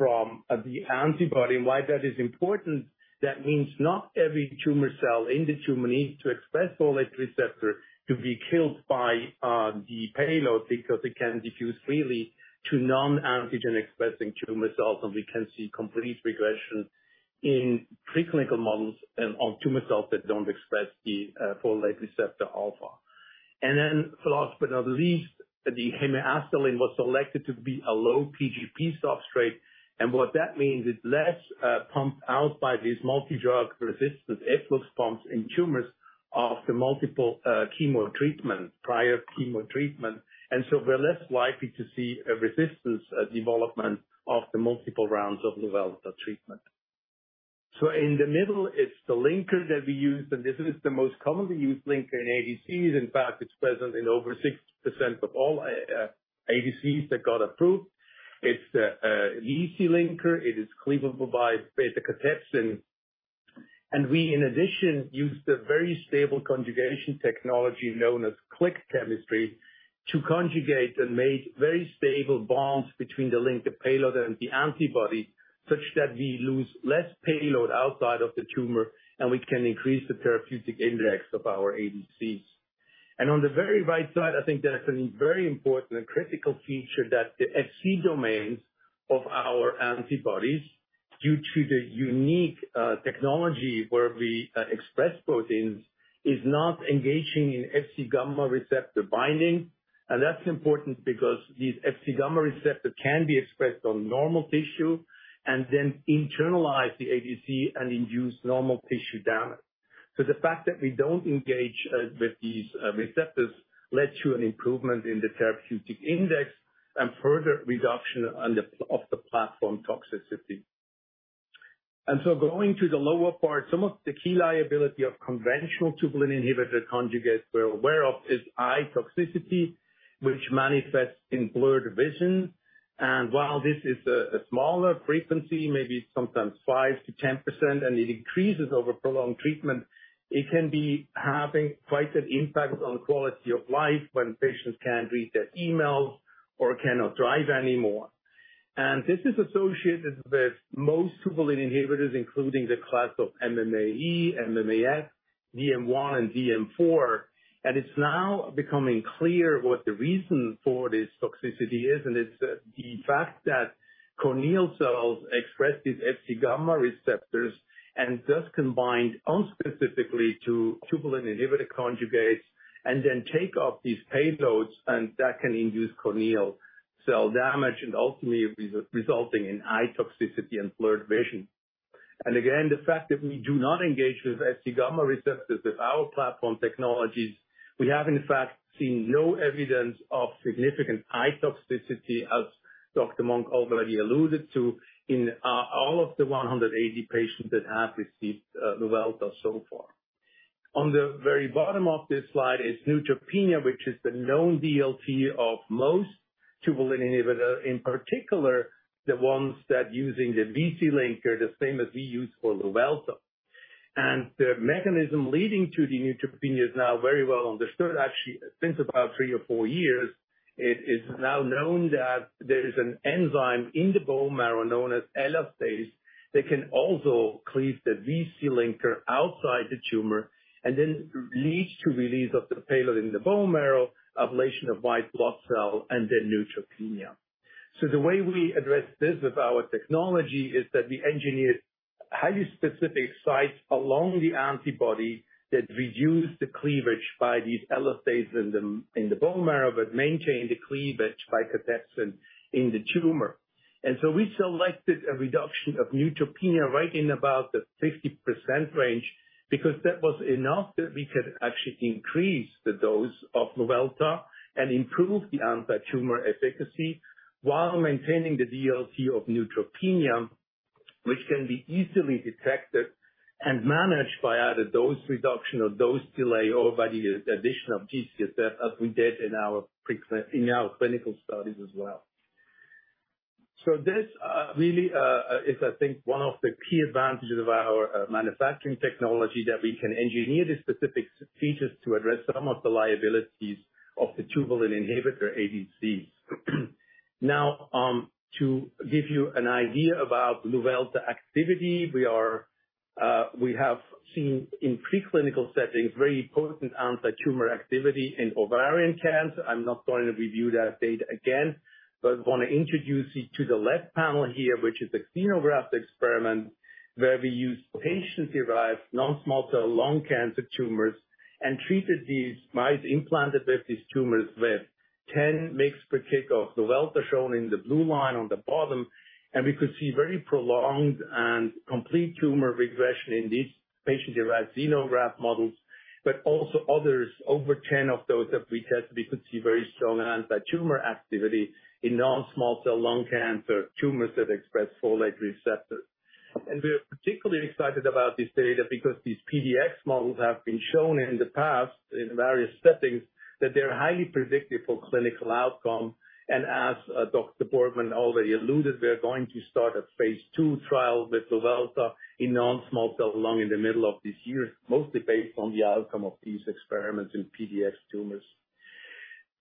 from the antibody. Why that is important, that means not every tumor cell in the tumor needs to express folate receptor to be killed by the payload, because it can diffuse freely to non-antigen expressing tumor cells, and we can see complete regression in preclinical models and on tumor cells that don't express the folate receptor alpha. And then last but not least, the hemiasterlin was selected to be a low PGP substrate, and what that means, it's less pumped out by these multidrug-resistant efflux pumps in tumors after multiple chemo treatment, prior chemo treatment. And so we're less likely to see a resistance development after multiple rounds of Luvelta treatment. So in the middle, it's the linker that we use, and this is the most commonly used linker in ADCs. In fact, it's present in over 60% of all ADCs that got approved. It's an ADC linker. It is cleavable by basic cathepsin. We, in addition, use the very stable conjugation technology known as click chemistry to conjugate and make very stable bonds between the linked payload and the antibody, such that we lose less payload outside of the tumor, and we can increase the therapeutic index of our ADCs. On the very right side, I think that's a very important and critical feature, that the Fc domains of our antibodies, due to the unique technology where we express proteins, is not engaging in Fc gamma receptor binding. That's important because these Fc gamma receptor can be expressed on normal tissue and then internalize the ADC and induce normal tissue damage. So the fact that we don't engage with these receptors led to an improvement in the therapeutic index and further reduction on the, of the platform toxicity. And so going to the lower part, some of the key liability of conventional tubulin inhibitor conjugates we're aware of is eye toxicity, which manifests in blurred vision. And while this is a smaller frequency, maybe sometimes 5%-10%, and it increases over prolonged treatment, it can be having quite an impact on quality of life when patients can't read their emails or cannot drive anymore. And this is associated with most tubulin inhibitors, including the class of MMAE, MMAF, DM1, and DM4. It's now becoming clear what the reason for this toxicity is, and it's the fact that corneal cells express these Fc gamma receptors and thus can bind non-specifically to tubulin inhibitor conjugates and then take up these payloads, and that can induce corneal cell damage and ultimately resulting in eye toxicity and blurred vision. Again, the fact that we do not engage with Fc gamma receptors with our platform technologies, we have, in fact, seen no evidence of significant eye toxicity, as Dr. Monk already alluded to, in all of the 180 patients that have received Luvelta so far. On the very bottom of this slide is neutropenia, which is the known DLT of most tubulin inhibitor, in particular, the ones that using the VC linker, the same as we use for Luvelta. And the mechanism leading to the neutropenia is now very well understood. Actually, since about 3 or 4 years, it is now known that there is an enzyme in the bone marrow known as elastase, that can also cleave the VC linker outside the tumor and then leads to release of the payload in the bone marrow, ablation of white blood cell, and then neutropenia. So the way we address this with our technology is that we engineer highly specific sites along the antibody that reduce the cleavage by these elastase in the bone marrow, but maintain the cleavage by cathepsin in the tumor. So we selected a reduction of neutropenia right in about the 50% range, because that was enough that we could actually increase the dose of Luvelta and improve the antitumor efficacy while maintaining the DLT of neutropenia, which can be easily detected and managed by either dose reduction or dose delay, or by the addition of G-CSF, as we did in our clinical studies as well. So this really is, I think, one of the key advantages of our manufacturing technology, that we can engineer the specific features to address some of the liabilities of the tubulin inhibitor ADCs. Now, to give you an idea about Luvelta activity, we have seen in preclinical settings, very potent antitumor activity in ovarian cancer. I'm not going to review that data again, but want to introduce you to the left panel here, which is a xenograft experiment, where we used patient-derived non-small cell lung cancer tumors and treated these mice implanted with these tumors with 10 mg/kg of Luvelta, shown in the blue line on the bottom. We could see very prolonged and complete tumor regression in these patient-derived xenograft models, but also others. Over 10 of those that we tested, we could see very strong antitumor activity in non-small cell lung cancer tumors that express folate receptors. We are particularly excited about this data because these PDX models have been shown in the past, in various settings, that they're highly predictive for clinical outcome. As, Dr. Borgman already alluded, we are going to start a Phase II trial with Luvelta in non-small cell lung in the middle of this year, mostly based on the outcome of these experiments in PDX tumors.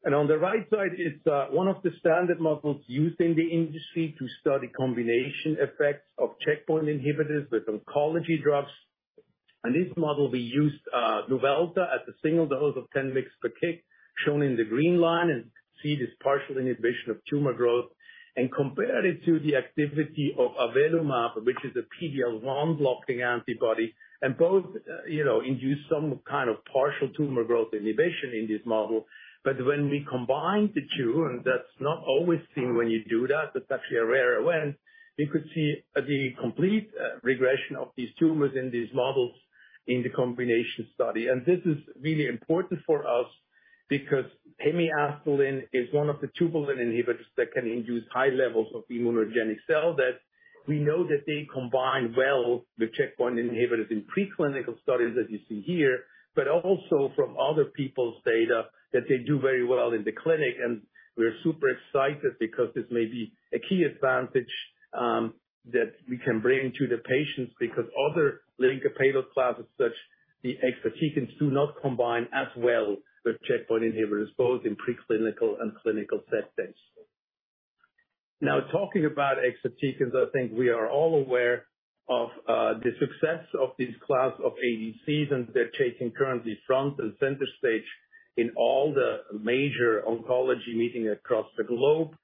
On the right side is one of the standard models used in the industry to study combination effects of checkpoint inhibitors with oncology drugs. This model, we used Luvelta at a single dose of 10 mg/kg, shown in the green line, and see this partial inhibition of tumor growth, and compared it to the activity of avelumab, which is a PD-L1 blocking antibody. Both, you know, induce some kind of partial tumor growth inhibition in this model. But when we combine the two, and that's not always seen when you do that, that's actually a rare event, we could see the complete regression of these tumors in these models in the combination study. And this is really important for us because hemiasterlin is one of the tubulin inhibitors that can induce high levels of immunogenic cell death. We know that they combine well with checkpoint inhibitors in preclinical studies, as you see here, but also from other people's data, that they do very well in the clinic. And we're super excited because this may be a key advantage that we can bring to the patients, because other linker-payload classes, such the exatecans, do not combine as well with checkpoint inhibitors, both in preclinical and clinical settings. Now, talking about exatecans, I think we are all aware of the success of this class of ADCs, and they're taking currently front and center stage in all the major oncology meetings across the globe.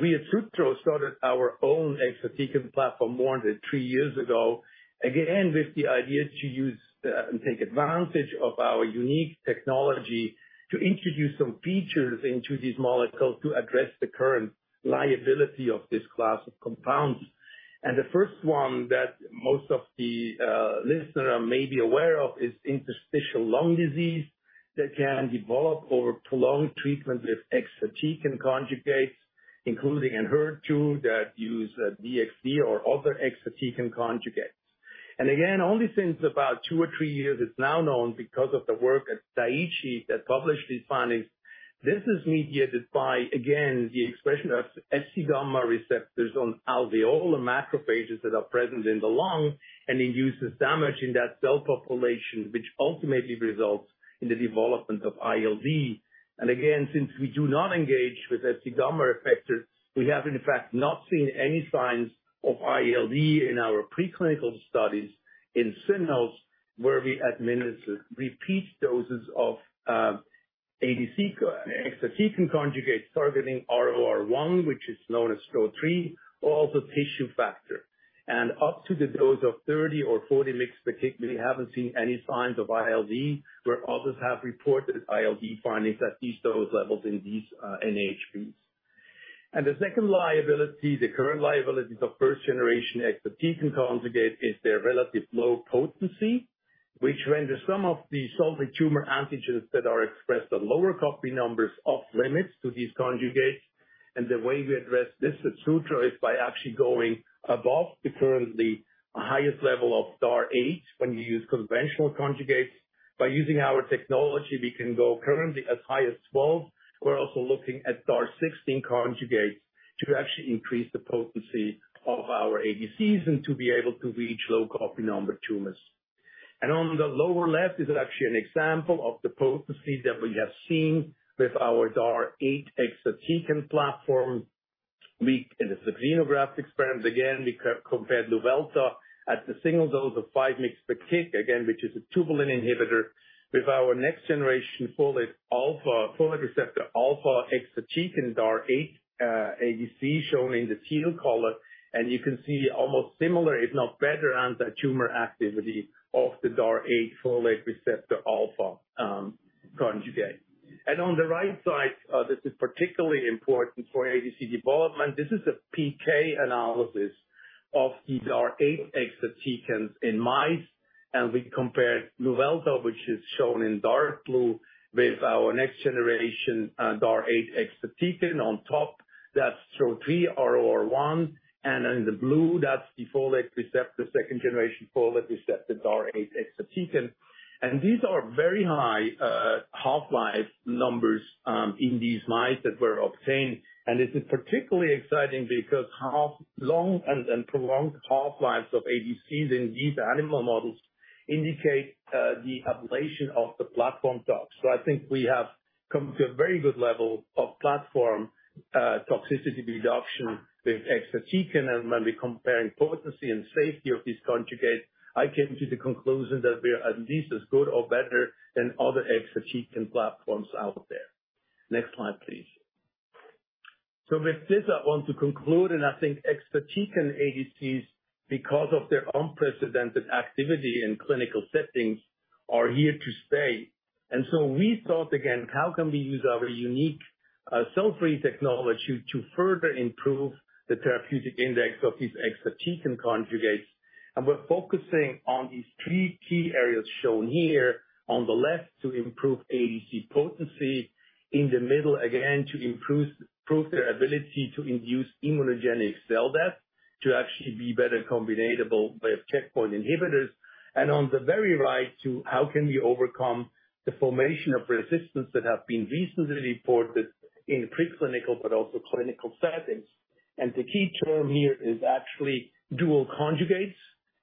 We at Sutro started our own exatecan platform more than three years ago, again, with the idea to use and take advantage of our unique technology to introduce some features into these molecules to address the current liability of this class of compounds. The first one that most of the listener may be aware of is interstitial lung disease that can develop over prolonged treatment with exatecan conjugates, including in HER2, that use DXd or other exatecan conjugates. Again, only since about two or three years, it's now known because of the work at Daiichi that published these findings. This is mediated by, again, the expression of Fc gamma receptors on alveolar macrophages that are present in the lung and induces damage in that cell population, which ultimately results in the development of ILD. And again, since we do not engage with Fc gamma receptors, we have in fact not seen any signs of ILD in our preclinical studies in cynomolgus, where we administer repeat doses of, ADC exatecan conjugate, targeting ROR1, which is known as STRO-003, or also tissue factor. And up to the dose of 30 or 40 mg per kg, we haven't seen any signs of ILD, where others have reported ILD findings at these dose levels in these, NHP. The second liability, the current liabilities of first-generation exatecan conjugate, is their relative low potency, which renders some of the solid tumor antigens that are expressed at lower copy numbers off limits to these conjugates. The way we address this at Sutro is by actually going above the currently highest level of DAR 8 when you use conventional conjugates. By using our technology, we can go currently as high as 12. We're also looking at DAR 16 conjugates to actually increase the potency of our ADCs and to be able to reach low copy number tumors. On the lower left is actually an example of the potency that we have seen with our DAR 8 exatecan platform. We, in the xenograft experiments, again, we compared Luvelta at a single dose of 5 mg/kg, again, which is a tubulin inhibitor, with our next generation folate alpha, folate receptor alpha exatecan DAR 8, ADC, shown in the teal color. And you can see almost similar, if not better, antitumor activity of the DAR 8 folate receptor alpha, conjugate. And on the right side, this is particularly important for ADC development. This is a PK analysis of the DAR 8 exatecan in mice, and we compared Luvelta, which is shown in dark blue, with our next generation, DAR 8 exatecan on top. That's STRO-003 ROR1, and in the blue, that's the folate receptor, second generation folate receptor, DAR 8 exatecan. And these are very high, half-life numbers, in these mice that were obtained. And this is particularly exciting because half... Long and prolonged half-lives of ADCs in these animal models indicate the ablation of the platform tox. So I think we have come to a very good level of platform toxicity reduction with exatecan. And when we're comparing potency and safety of these conjugates, I came to the conclusion that we are at least as good or better than other exatecan platforms out there. Next slide, please. So with this, I want to conclude, and I think exatecan ADCs, because of their unprecedented activity in clinical settings, are here to stay. And so we thought again, how can we use our unique cell-free technology to further improve the therapeutic index of these exatecan conjugates? And we're focusing on these three key areas shown here. On the left, to improve ADC potency. In the middle, again, to improve-prove their ability to induce immunogenic cell death, to actually be better combinatable with checkpoint inhibitors. And on the very right, to how can we overcome the formation of resistance that have been recently reported in preclinical, but also clinical settings. And the key term here is actually dual conjugates.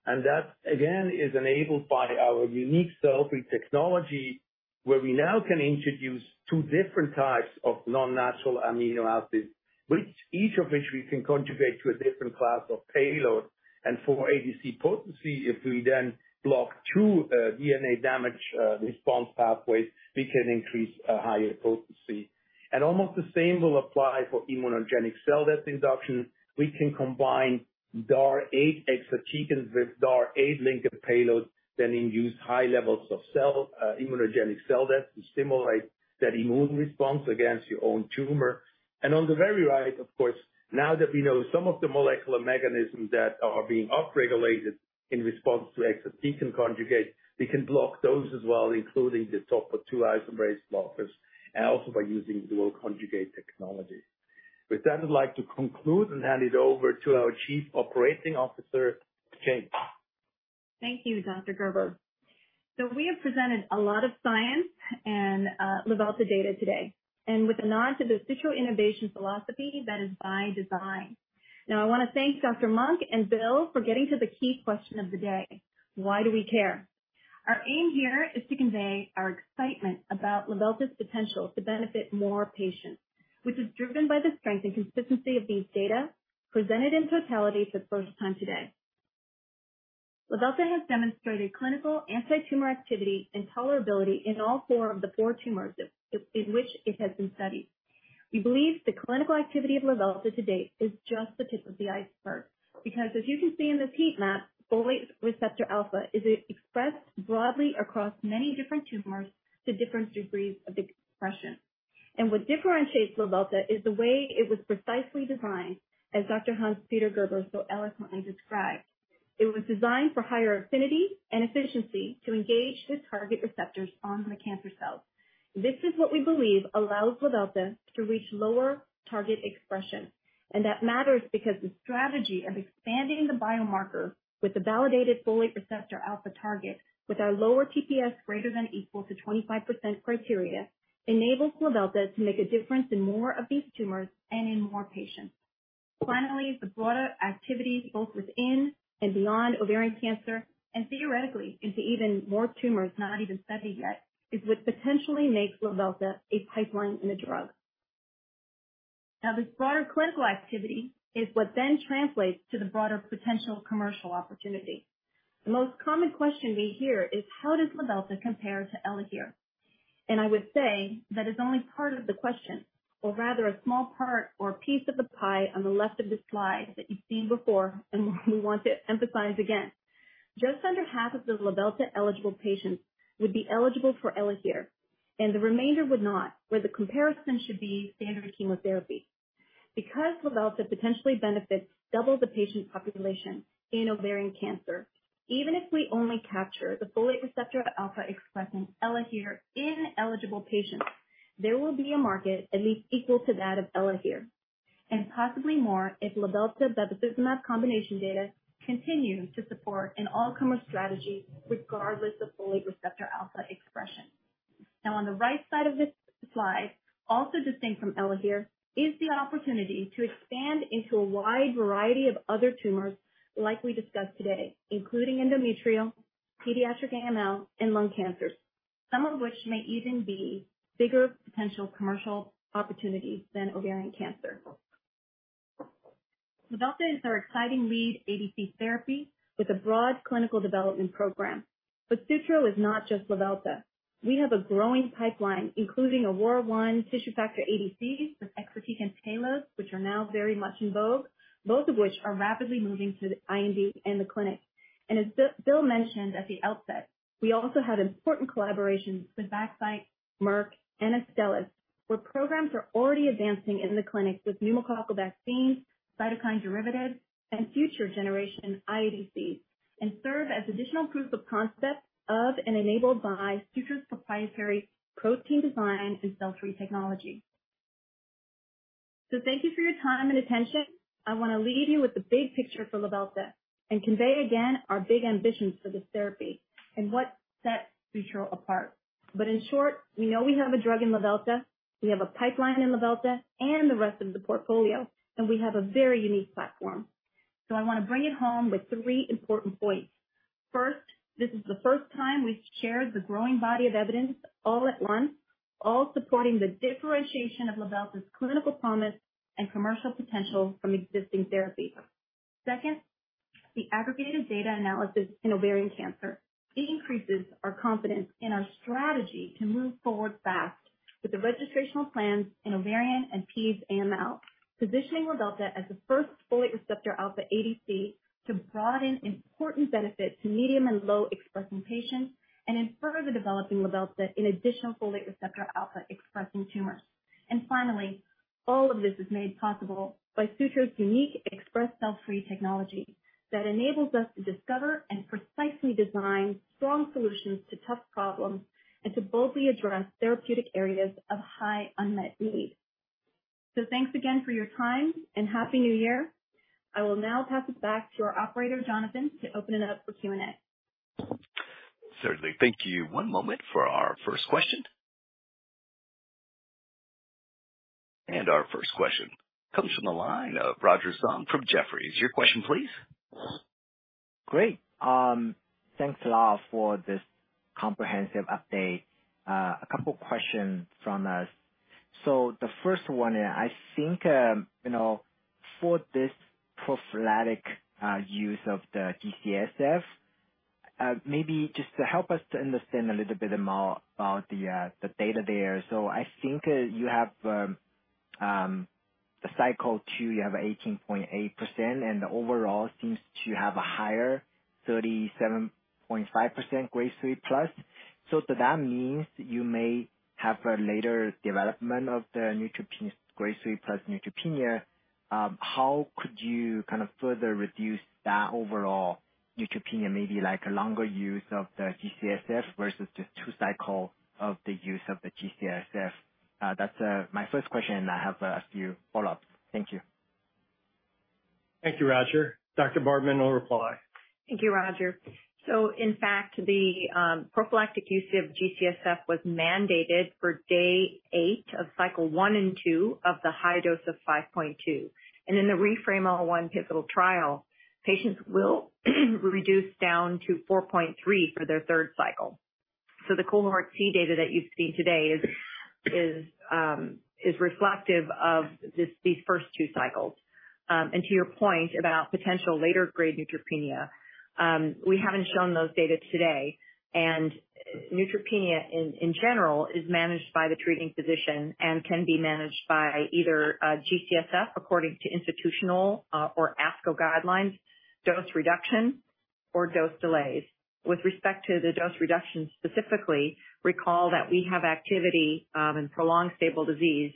And that, again, is enabled by our unique cell-free technology, where we now can introduce two different types of non-natural amino acids, which each of which we can conjugate to a different class of payload. And for ADC potency, if we then block two, DNA damage response pathways, we can increase a higher potency. And almost the same will apply for immunogenic cell death induction. We can combine DAR 8 exatecan with DAR 8 linked payload, then induce high levels of immunogenic cell death to stimulate that immune response against your own tumor. On the very right, of course, now that we know some of the molecular mechanisms that are being upregulated in response to exatecan conjugate, we can block those as well, including the topoisomerase blockers, and also by using dual conjugate technology. With that, I'd like to conclude and hand it over to our Chief Operating Officer, Jane. Thank you, Dr. Gerber. So we have presented a lot of science and, Luvelta data today, and with a nod to the Sutro innovation philosophy, that is by design. Now, I want to thank Dr. Monk and Bill for getting to the key question of the day: Why do we care? Our aim here is to convey our excitement about Luvelta's potential to benefit more patients, which is driven by the strength and consistency of these data, presented in totality for the first time today. Luvelta has demonstrated clinical anti-tumor activity and tolerability in all four of the four tumors in which it has been studied. We believe the clinical activity of Luvelta to date is just the tip of the iceberg, because as you can see in this heat map, folate receptor alpha is expressed broadly across many different tumors to different degrees of expression. What differentiates Luvelta is the way it was precisely designed, as Dr. Hans-Peter Gerber so eloquently described. It was designed for higher affinity and efficiency to engage the target receptors on the cancer cells. This is what we believe allows Luvelta to reach lower target expression. And that matters because the strategy of expanding the biomarker with the validated folate receptor alpha target, with our lower TPS ≥ 25% criteria, enables Luvelta to make a difference in more of these tumors and in more patients. Finally, the broader activity, both within and beyond ovarian cancer and theoretically into even more tumors not even studied yet, is what potentially makes Luvelta a pipeline and a drug. Now, this broader clinical activity is what then translates to the broader potential commercial opportunity. The most common question we hear is: How does Luvelta compare to ELAHERE? And I would say that is only part of the question, or rather, a small part or piece of the pie on the left of the slide that you've seen before, and we want to emphasize again. Just under half of the Luvelta eligible patients would be eligible for ELAHERE, and the remainder would not, where the comparison should be standard chemotherapy. Because Luvelta potentially benefits double the patient population in ovarian cancer, even if we only capture the folate receptor alpha expressing ELAHERE-eligible patients, there will be a market at least equal to that of ELAHERE, and possibly more if Luvelta bevacizumab combination data continues to support an all-comer strategy, regardless of folate receptor alpha expression. Now, on the right side of this slide, also distinct from ELAHERE, is the opportunity to expand into a wide variety of other tumors like we discussed today, including endometrial, pediatric AML, and lung cancers, some of which may even be bigger potential commercial opportunities than ovarian cancer. Luvelta is our exciting lead ADC therapy with a broad clinical development program. But Sutro is not just Luvelta. We have a growing pipeline, including ROR1, tissue factor ADCs with exatecan payloads, which are now very much in vogue, both of which are rapidly moving to the IND and the clinic. As Bill mentioned at the outset, we also have important collaborations with Vaxcyte, Merck and Astellas, where programs are already advancing in the clinic with pneumococcal vaccines, cytokine derivatives, and future generation iADC, and serve as additional proof of concept of and enabled by Sutro's proprietary protein design and cell-free technology. So thank you for your time and attention. I want to leave you with the big picture for Luvelta and convey again our big ambitions for this therapy and what sets Sutro apart. But in short, we know we have a drug in Luvelta, we have a pipeline in Luvelta and the rest of the portfolio, and we have a very unique platform. So I want to bring it home with three important points. First, this is the first time we've shared the growing body of evidence all at once, all supporting the differentiation of Luvelta's clinical promise and commercial potential from existing therapies. Second, the aggregated data analysis in ovarian cancer. It increases our confidence in our strategy to move forward fast with the registrational plans in ovarian and peds AML, positioning Luvelta as the first folate receptor alpha ADC to broaden important benefit to medium and low-expressing patients and in further developing Luvelta in additional folate receptor alpha-expressing tumors. And finally, all of this is made possible by Sutro's unique Xpress cell-free technology that enables us to discover and precisely design strong solutions to tough problems and to boldly address therapeutic areas of high unmet need. So thanks again for your time, and Happy New Year. I will now pass it back to our operator, Jonathan, to open it up for Q&A.... Certainly. Thank you. One moment for our first question. Our first question comes from the line of Roger Song from Jefferies. Your question, please. Great. Thanks a lot for this comprehensive update. A couple questions from us. So the first one, I think, you know, for this prophylactic use of the G-CSF, maybe just to help us to understand a little bit more about the data there. So I think you have the cycle 2, you have 18.8%, and the overall seems to have a higher 37.5% grade 3 plus. So that means you may have a later development of the neutropenic grade 3 plus neutropenia. How could you kind of further reduce that overall neutropenia, maybe like a longer use of the G-CSF versus the 2-cycle use of the G-CSF? That's my first question, and I have a few follow-ups. Thank you. Thank you, Roger. Dr. Brad Monk will reply. Thank you, Roger. So in fact, the prophylactic use of G-CSF was mandated for day 8 of cycle 1 and 2 of the high dose of 5.2. And in the REFRAME-O1 pivotal trial, patients will reduce down to 4.3 for their third cycle. So the Cohort C data that you see today is reflective of these first two cycles. And to your point about potential later grade neutropenia, we haven't shown those data today, and neutropenia in general is managed by the treating physician and can be managed by either G-CSF, according to institutional or ASCO guidelines, dose reduction, or dose delays. With respect to the dose reduction, specifically, recall that we have activity in prolonged stable disease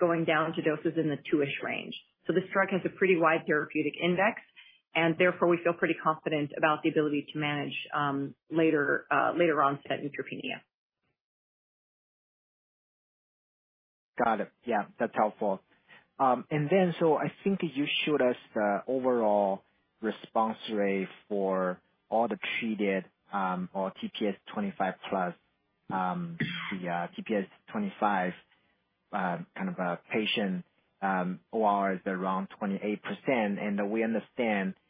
going down to doses in the 2-ish range. So this drug has a pretty wide therapeutic index, and therefore we feel pretty confident about the ability to manage later onset neutropenia. Got it. Yeah, that's helpful. And then so I think you showed us the overall response rate for all the treated, or TPS-25+, the TPS-25, kind of, patient, OR is around 28%, and we understand that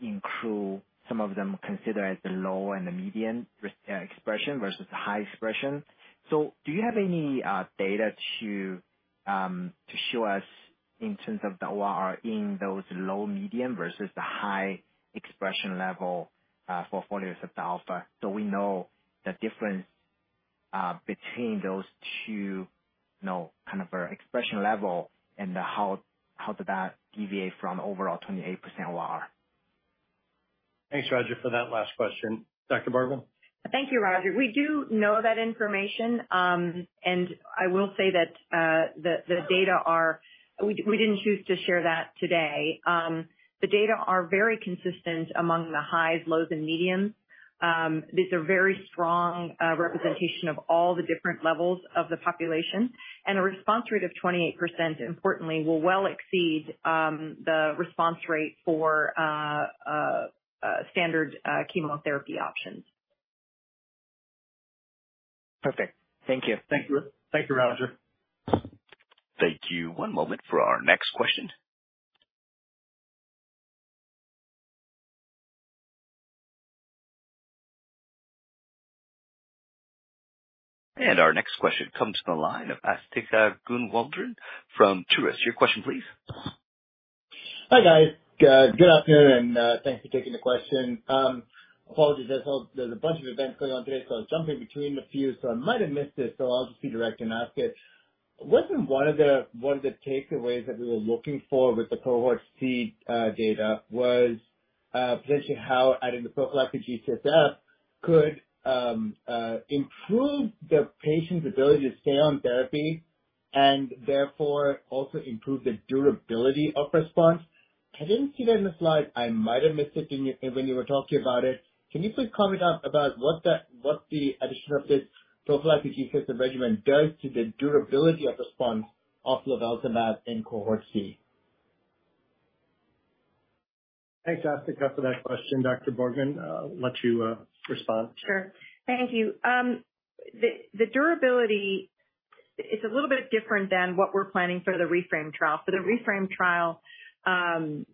include some of them considered as the low and the medium receptor expression versus the high expression. So do you have any data to show us in terms of the OR in those low, medium, versus the high expression level, for folate receptor alpha, so we know the difference between those two, you know, kind of FR expression level and how, how did that deviate from overall 28% OR? Thanks, Roger, for that last question. Dr. Borgman? Thank you, Roger. We do know that information. And I will say that the data are—we didn't choose to share that today. The data are very consistent among the highs, lows, and mediums. These are very strong representation of all the different levels of the population, and a response rate of 28%, importantly, will well exceed the response rate for standard chemotherapy options. Perfect. Thank you. Thank you. Thank you, Roger. Thank you. One moment for our next question. Our next question comes from the line of Asthika Goonewardene from Truist. Your question, please. Hi, guys. Good afternoon, and thanks for taking the question. Apologies, I saw there's a bunch of events going on today, so I was jumping between a few, so I might have missed it, so I'll just be direct and ask it. Wasn't one of the, one of the takeaways that we were looking for with the Cohort C data was potentially how adding the prophylactic G-CSF could improve the patient's ability to stay on therapy and therefore also improve the durability of response? I didn't see that in the slide. I might have missed it in your, when you were talking about it. Can you please comment on about what the addition of this prophylactic G-CSF regimen does to the durability of response of Luvelta in Cohort C? Thanks, Asthika, for that question. Dr. Brad Monk, I'll let you respond. Sure. Thank you. The durability is a little bit different than what we're planning for the REFRAME trial. For the REFRAME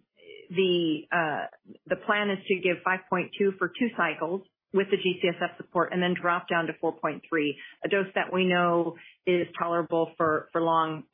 trial, the plan is to give 5.2 for 2 cycles with the G-CSF support and then drop down to 4.3, a dose that we know is tolerable for long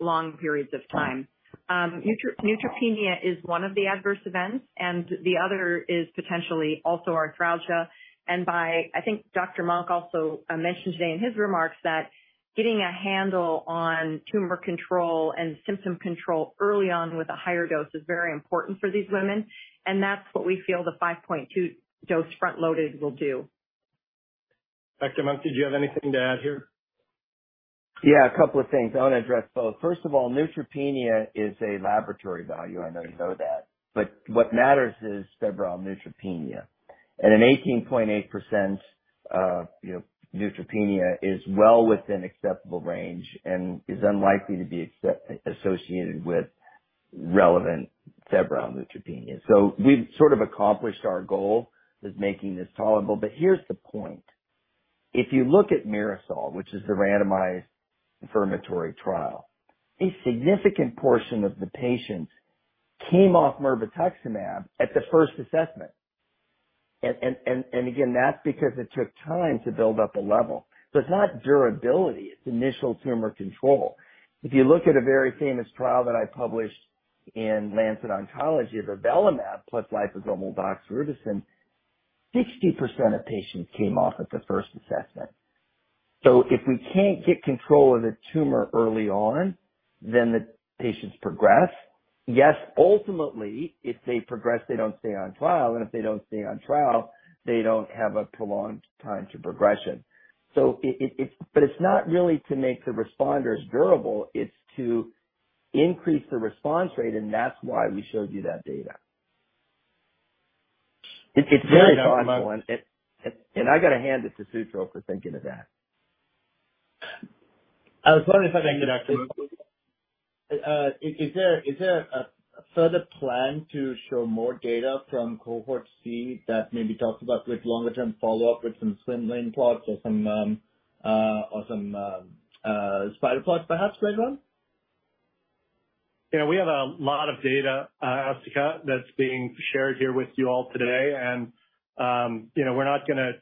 periods of time. Neutropenia is one of the adverse events, and the other is potentially arthralgia. And, I think Dr. Monk also mentioned today in his remarks that getting a handle on tumor control and symptom control early on with a higher dose is very important for these women, and that's what we feel the 5.2 dose front loaded will do. Dr. Monk, did you have anything to add here? Yeah, a couple of things. I want to address both. First of all, neutropenia is a laboratory value. I know you know that, but what matters is severe neutropenia. And an 18.8%, you know, neutropenia is well within acceptable range and is unlikely to be associated with relevant febrile neutropenia. So we've sort of accomplished our goal with making this tolerable. But here's the point, if you look at MIRASOL, which is the randomized confirmatory trial, a significant portion of the patients came off mirvetuximab at the first assessment. And again, that's because it took time to build up a level. So it's not durability, it's initial tumor control. If you look at a very famous trial that I published in Lancet Oncology of avelumab plus liposomal doxorubicin, 60% of patients came off at the first assessment. So if we can't get control of the tumor early on, then the patients progress. Yes, ultimately, if they progress, they don't stay on trial, and if they don't stay on trial, they don't have a prolonged time to progression. So it's, but it's not really to make the responders durable, it's to increase the response rate, and that's why we showed you that data. It's very thoughtful, and I gotta hand it to Sutro for thinking of that. I was wondering if I can introduce, is there a further plan to show more data from cohort C that maybe talks about with longer term follow-up with some slim line plots or some spider plots, perhaps, Raymond? Yeah, we have a lot of data, Asthika, that's being shared here with you all today. And, you know, we're not gonna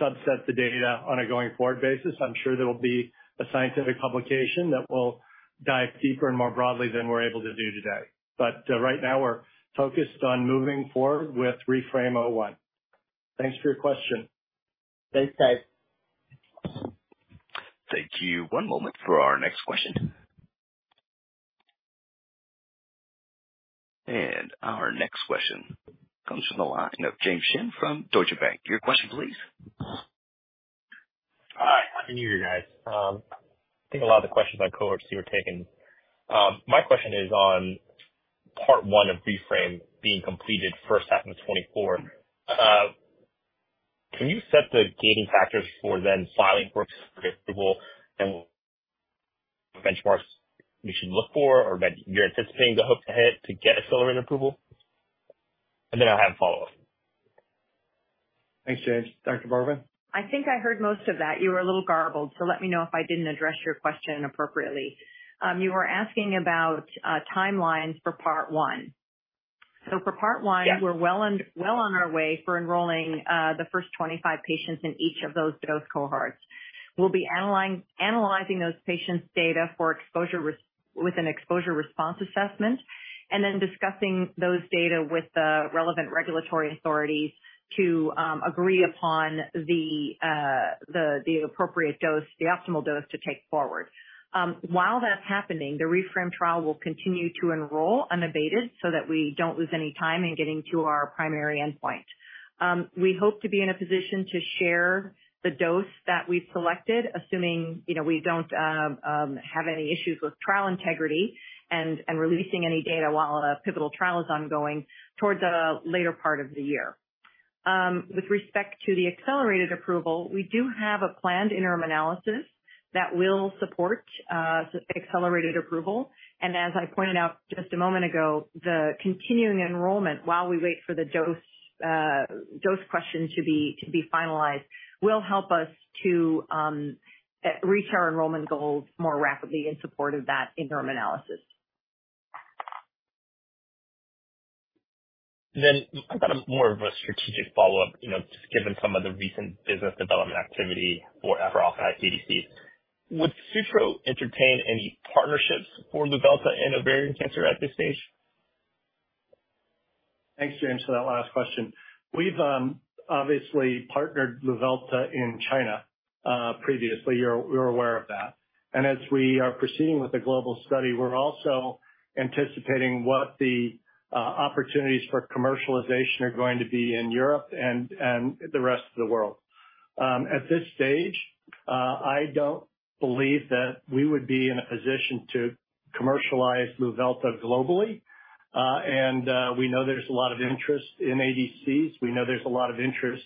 subset the data on a going-forward basis. I'm sure there will be a scientific publication that will dive deeper and more broadly than we're able to do today. But, right now, we're focused on moving forward with REFRAME-O1. Thanks for your question. Thanks, guys. Thank you. One moment for our next question. Our next question comes from the line of James Shin from Deutsche Bank. Your question please. Hi, happy New Year, guys. I think a lot of the questions on cohort C were taken. My question is on part one of REFRAME being completed first half of 2024. Can you set the gating factors for then filing for approval and benchmarks we should look for, or that you're anticipating the hook to hit to get accelerated approval? And then I have a follow-up. Thanks, James. Dr. Borgman? I think I heard most of that. You were a little garbled, so let me know if I didn't address your question appropriately. You were asking about timelines for part one. So for part one- Yes. We're well on our way for enrolling the first 25 patients in each of those dose cohorts. We'll be analyzing those patients' data for exposure response assessment, and then discussing those data with the relevant regulatory authorities to agree upon the appropriate dose, the optimal dose to take forward. While that's happening, the REFRAME trial will continue to enroll unabated, so that we don't lose any time in getting to our PRIMAry endpoint. We hope to be in a position to share the dose that we've selected, assuming, you know, we don't have any issues with trial integrity and releasing any data while a pivotal trial is ongoing towards the later part of the year. With respect to the accelerated approval, we do have a planned interim analysis that will support accelerated approval. As I pointed out just a moment ago, the continuing enrollment, while we wait for the dose question to be finalized, will help us to reach our enrollment goals more rapidly in support of that interim analysis. Then I've got a more of a strategic follow-up, you know, just given some of the recent business development activity for FRα ADC, would Sutro entertain any partnerships for Luvelta in ovarian cancer at this stage? Thanks, James, for that last question. We've obviously partnered Luvelta in China previously. You're aware of that. And as we are proceeding with the global study, we're also anticipating what the opportunities for commercialization are going to be in Europe and the rest of the world. At this stage, I don't believe that we would be in a position to commercialize Luvelta globally. And we know there's a lot of interest in ADCs. We know there's a lot of interest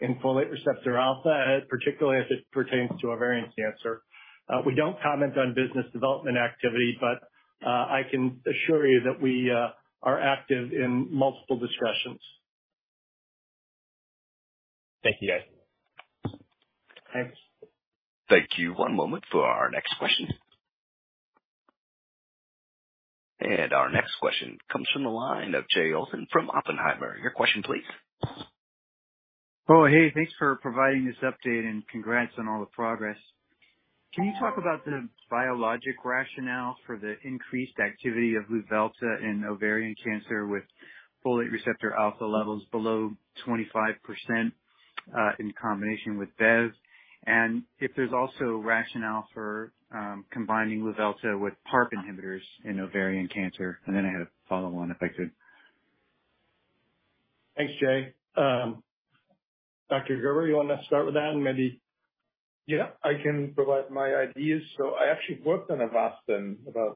in folate receptor alpha, particularly as it pertains to ovarian cancer. We don't comment on business development activity, but I can assure you that we are active in multiple discussions. Thank you, guys. Thanks. Thank you. One moment for our next question. Our next question comes from the line of Jay Olson from Oppenheimer. Your question please. Oh, hey, thanks for providing this update and congrats on all the progress. Can you talk about the biologic rationale for the increased activity of Luvelta in ovarian cancer with folate receptor alpha levels below 25%, in combination with Bev? And if there's also rationale for combining Luvelta with PARP inhibitors in ovarian cancer. And then I had a follow-up one, if I could. Thanks, Jay. Dr. Gerber, you want to start with that and maybe- Yeah, I can provide my ideas. So I actually worked on Avastin about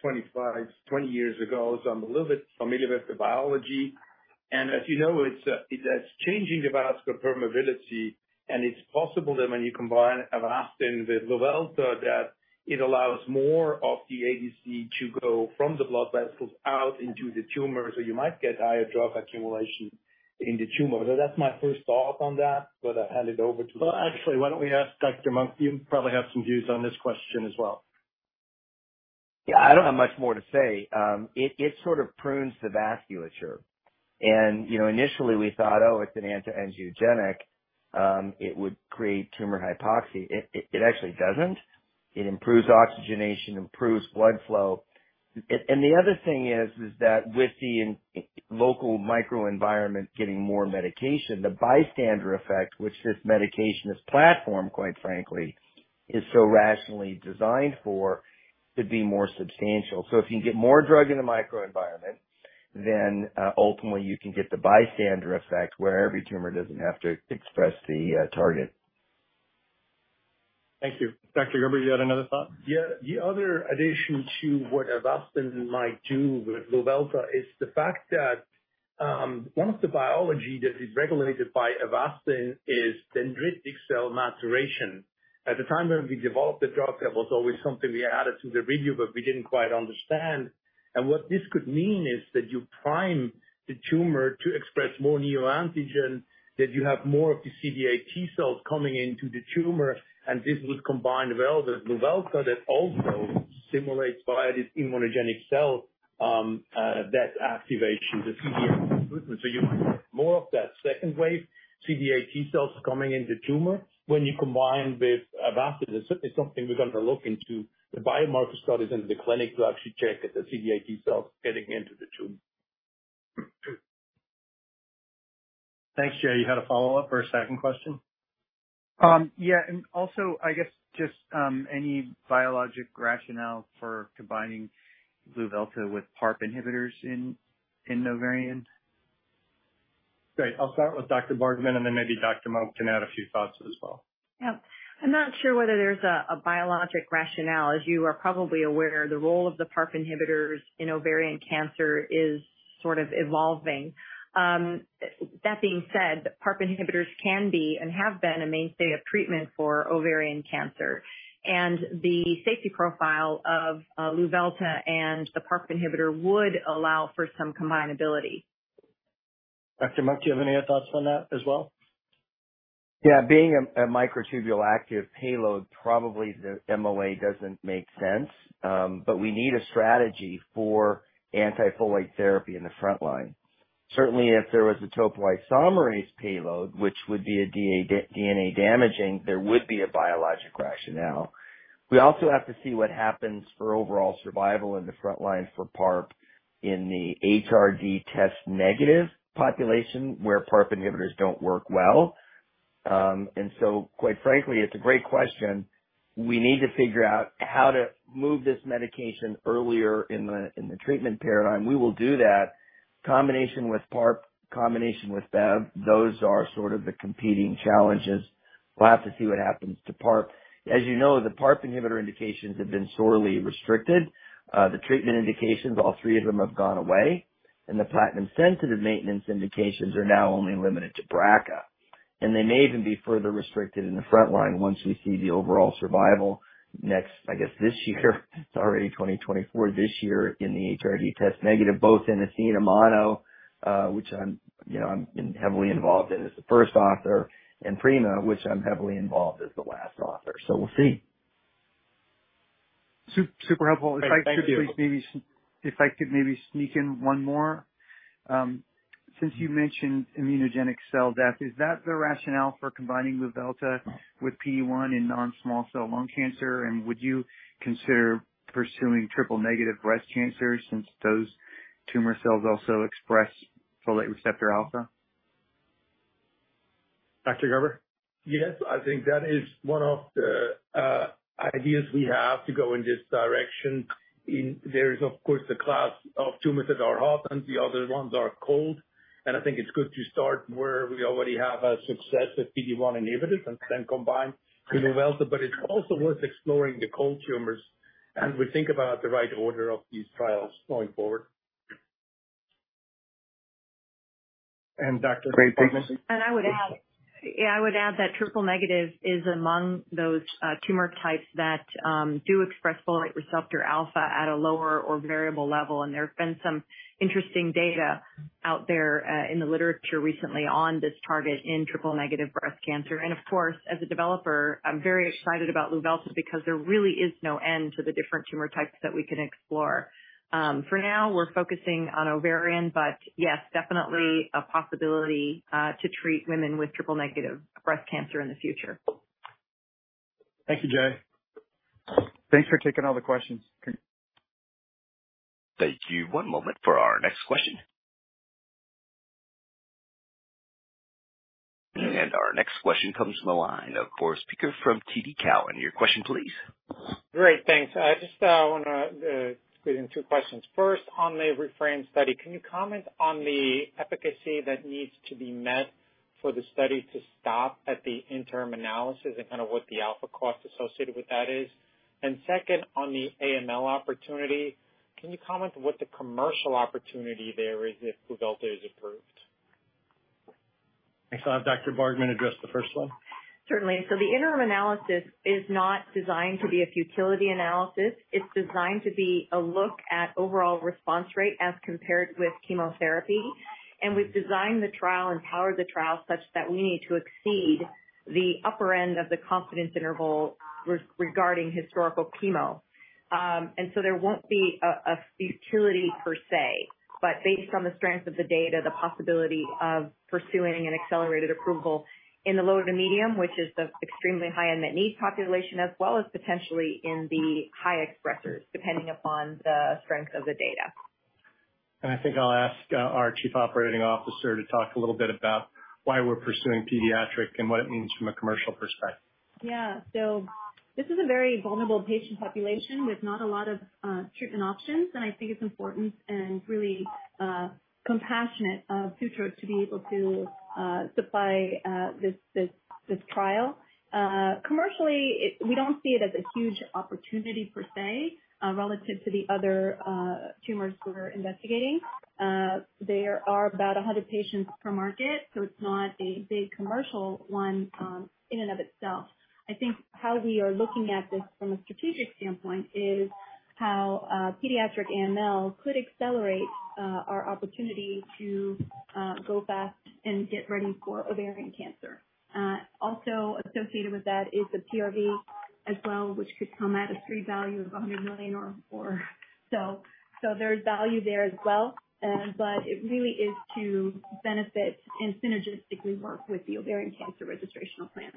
25, 20 years ago, so I'm a little bit familiar with the biology.... As you know, it's, it's changing the vascular permeability, and it's possible that when you combine Avastin with Luvelta, that it allows more of the ADC to go from the blood vessels out into the tumor, so you might get higher drug accumulation in the tumor. So that's my first thought on that, but I'll hand it over to- Well, actually, why don't we ask Dr. Monk, you probably have some views on this question as well. Yeah, I don't have much more to say. It sort of prunes the vasculature. And, you know, initially we thought, oh, it's an anti-angiogenic, it would create tumor hypoxia. It actually doesn't. It improves oxygenation, improves blood flow. And the other thing is that with the local microenvironment getting more medication, the bystander effect, which this medication, this platform, quite frankly, is so rationally designed for, could be more substantial. So if you can get more drug in the microenvironment, then, ultimately you can get the bystander effect, where every tumor doesn't have to express the target. Thank you. Dr. Gerber, you had another thought? Yeah. The other addition to what Avastin might do with Luvelta is the fact that, one of the biology that is regulated by Avastin is dendritic cell maturation. At the time when we developed the drug, that was always something we added to the review, but we didn't quite understand. And what this could mean is that you prime the tumor to express more neoantigen, that you have more of the CD8 T cells coming into the tumor, and this would combine well with Luvelta, that also stimulates by this immunogenic cell, that activation, the CD8. So you more of that second wave, CD8 T cells coming in the tumor when you combine with Avastin. It's certainly something we're going to look into the biomarker studies into the clinic to actually check that the CD8 T cells getting into the tumor. Thanks, Jay. You had a follow-up or a second question? Yeah, and also, I guess just any biologic rationale for combining Luvelta with PARP inhibitors in ovarian? Great. I'll start with Dr. Borgman, and then maybe Dr. Monk can add a few thoughts as well. Yeah. I'm not sure whether there's a biologic rationale. As you are probably aware, the role of the PARP inhibitors in ovarian cancer is sort of evolving. That being said, PARP inhibitors can be, and have been, a mainstay of treatment for ovarian cancer. And the safety profile of Luvelta and the PARP inhibitor would allow for some combinability. Dr. Monk, do you have any other thoughts on that as well? Yeah, being a microtubule-active payload, probably the MOA doesn't make sense, but we need a strategy for anti-folate therapy in the front line. Certainly, if there was a topoisomerase payload, which would be a DA, DNA damaging, there would be a biologic rationale. We also have to see what happens for overall survival in the front line for PARP in the HRD test negative population, where PARP inhibitors don't work well. And so, quite frankly, it's a great question. We need to figure out how to move this medication earlier in the treatment paradigm. We will do that. Combination with PARP, combination with Bev, those are sort of the competing challenges. We'll have to see what happens to PARP. As you know, the PARP inhibitor indications have been sorely restricted. The treatment indications, all three of them have gone away, and the platinum-sensitive maintenance indications are now only limited to BRCA. And they may even be further restricted in the front line once we see the overall survival next, I guess, this year, it's already 2024, this year in the HRD test negative, both in ATHENA-MONO, which I'm, you know, I'm heavily involved in as the first author, and PRIMA, which I'm heavily involved as the last author. So we'll see. Super helpful. Thank you. If I could maybe sneak in one more. Since you mentioned immunogenic cell death, is that the rationale for combining Luvelta with PD-1 in non-small cell lung cancer? And would you consider pursuing triple-negative breast cancer since those tumor cells also express folate receptor alpha? Dr. Gerber? Yes. I think that is one of the ideas we have to go in this direction. In there is, of course, the class of tumors that are hot and the other ones are cold, and I think it's good to start where we already have a success with PD-1 inhibitors and then combine to Luvelta. But it's also worth exploring the cold tumors as we think about the right order of these trials going forward. Dr. Borgman? And I would add... Yeah, I would add that triple negative is among those tumor types that do express folate receptor alpha at a lower or variable level. And there have been some interesting data out there in the literature recently on this target in triple negative breast cancer. And of course, as a developer, I'm very excited about Luvelta because there really is no end to the different tumor types that we can explore. For now, we're focusing on ovarian, but yes, definitely a possibility to treat women with triple negative breast cancer in the future. Thank you, Jay. Thanks for taking all the questions. Thank you. One moment for our next question. Our next question comes from the line of Boris Peaker from TD Cowen. Your question please. Great, thanks. I just want to squeeze in two questions. First, on the REFRAME study, can you comment on the efficacy that needs to be met?... for the study to stop at the interim analysis and kind of what the alpha cost associated with that is? And second, on the AML opportunity, can you comment what the commercial opportunity there is if Luvelta is approved? I'll have Dr. Borgman address the first one. Certainly. So the interim analysis is not designed to be a futility analysis. It's designed to be a look at overall response rate as compared with chemotherapy, and we've designed the trial and powered the trial such that we need to exceed the upper end of the confidence interval regarding historical chemo. And so there won't be a futility per se, but based on the strength of the data, the possibility of pursuing an accelerated approval in the low to medium, which is the extremely high unmet need population, as well as potentially in the high expressors, depending upon the strength of the data. I think I'll ask our Chief Operating Officer to talk a little bit about why we're pursuing pediatric and what it means from a commercial perspective. Yeah. So this is a very vulnerable patient population with not a lot of treatment options. And I think it's important and really compassionate, Sutro to be able to supply this trial. Commercially, it - we don't see it as a huge opportunity per se, relative to the other tumors we're investigating. There are about 100 patients per market, so it's not a big commercial one, in and of itself. I think how we are looking at this from a strategic standpoint is how pediatric AML could accelerate our opportunity to go fast and get ready for ovarian cancer. Also associated with that is the PRV as well, which could come at a face value of $100 million or so. So there's value there as well. But it really is to benefit and synergistically work with the ovarian cancer registrational plan.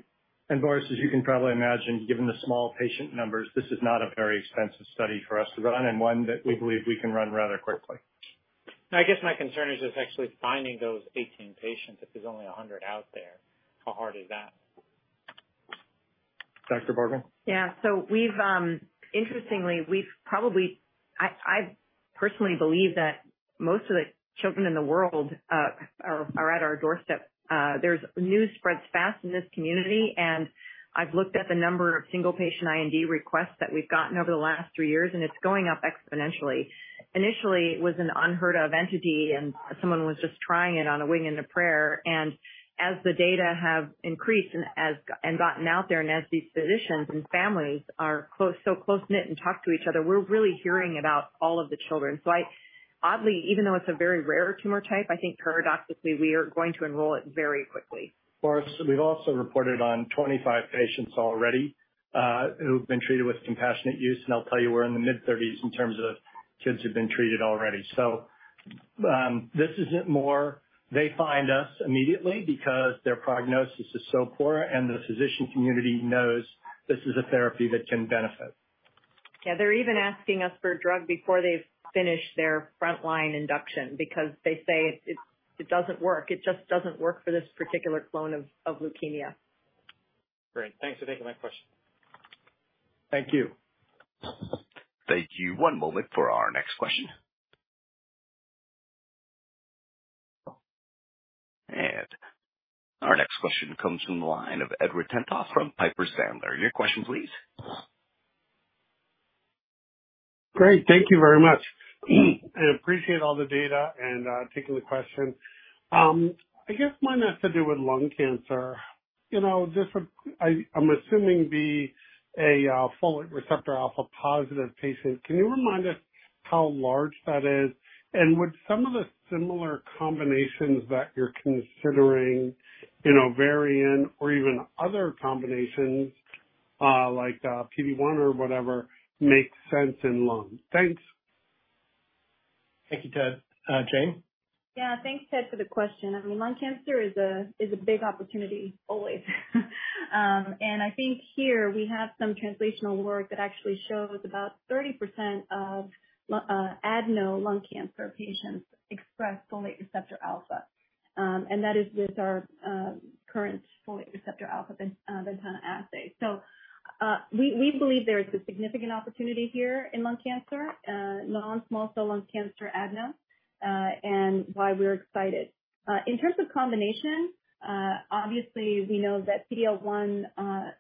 Boris, as you can probably imagine, given the small patient numbers, this is not a very expensive study for us to run, and one that we believe we can run rather quickly. I guess my concern is just actually finding those 18 patients, if there's only 100 out there, how hard is that? Dr. Borgman? Yeah. So we've, interestingly, we've probably... I personally believe that most of the children in the world are at our doorstep. There's news spreads fast in this community, and I've looked at the number of single patient IND requests that we've gotten over the last three years, and it's going up exponentially. Initially, it was an unheard of entity, and someone was just trying it on a wing and a prayer. And as the data have increased and gotten out there, and as these physicians and families are close, so close-knit and talk to each other, we're really hearing about all of the children. So, oddly, even though it's a very rare tumor type, I think paradoxically, we are going to enroll it very quickly. Boris, we've also reported on 25 patients already who've been treated with compassionate use, and I'll tell you, we're in the mid-30s in terms of kids who've been treated already. So, this is more, they find us immediately because their prognosis is so poor and the physician community knows this is a therapy that can benefit. Yeah, they're even asking us for a drug before they've finished their front line induction because they say it doesn't work. It just doesn't work for this particular clone of leukemia. Great. Thanks for taking my question. Thank you. Thank you. One moment for our next question. Our next question comes from the line of Edward Tenthoff from Piper Sandler. Your question please. Great. Thank you very much. I appreciate all the data and taking the question. I guess mine has to do with lung cancer. You know, just from, I'm assuming a folate receptor alpha positive patient, can you remind us how large that is? And would some of the similar combinations that you're considering in ovarian or even other combinations, like, PD-1 or whatever, make sense in lung? Thanks. Thank you, Ted. Jane? Yeah, thanks, Ted, for the question. I mean, lung cancer is a big opportunity always. And I think here we have some translational work that actually shows about 30% of adeno lung cancer patients express folate receptor alpha. And that is with our current folate receptor alpha Ventana assay. So, we believe there's a significant opportunity here in lung cancer, non-small cell lung cancer adeno, and why we're excited. In terms of combination, obviously, we know that PD-1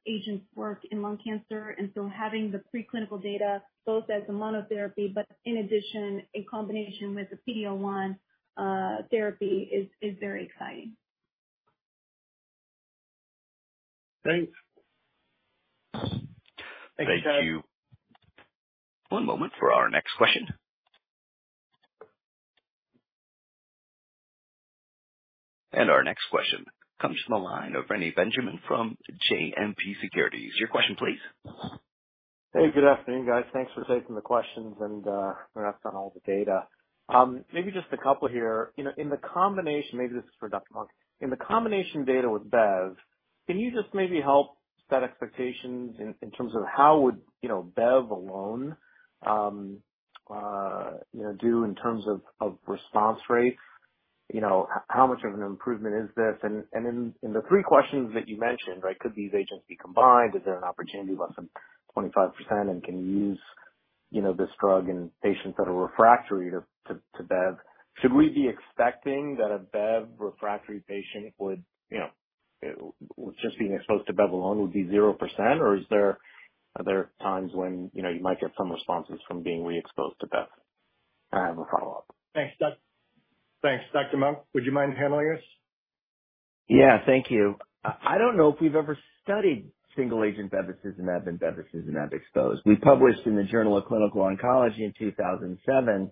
agents work in lung cancer, and so having the preclinical data both as a monotherapy, but in addition, in combination with the PD-L1 therapy is very exciting. Thanks. Thank you, Ted. Thank you. One moment for our next question. Our next question comes from the line of Reni Benjamin from JMP Securities. Your question please. Hey, good afternoon, guys. Thanks for taking the questions and, congrats on all the data. Maybe just a couple here. You know, in the combination, maybe this is for Dr. Monk, in the combination data with Bev, can you just maybe help set expectations in terms of how would, you know, Bev alone, you know, do in terms of response rates? You know, how much of an improvement is this? And in the three questions that you mentioned, right, could these agents be combined? Is there an opportunity less than 25%, and can you use, you know, this drug in patients that are refractory to Bev, should we be expecting that a Bev refractory patient would, you know, with just being exposed to Bev alone would be 0%? Or is there, are there times when, you know, you might get some responses from being reexposed to Bev? I have a follow-up. Thanks, Dr. Monk, would you mind handling this? Yeah. Thank you. I don't know if we've ever studied single agent bevacizumab in bevacizumab exposed. We published in the Journal of Clinical Oncology in 2007,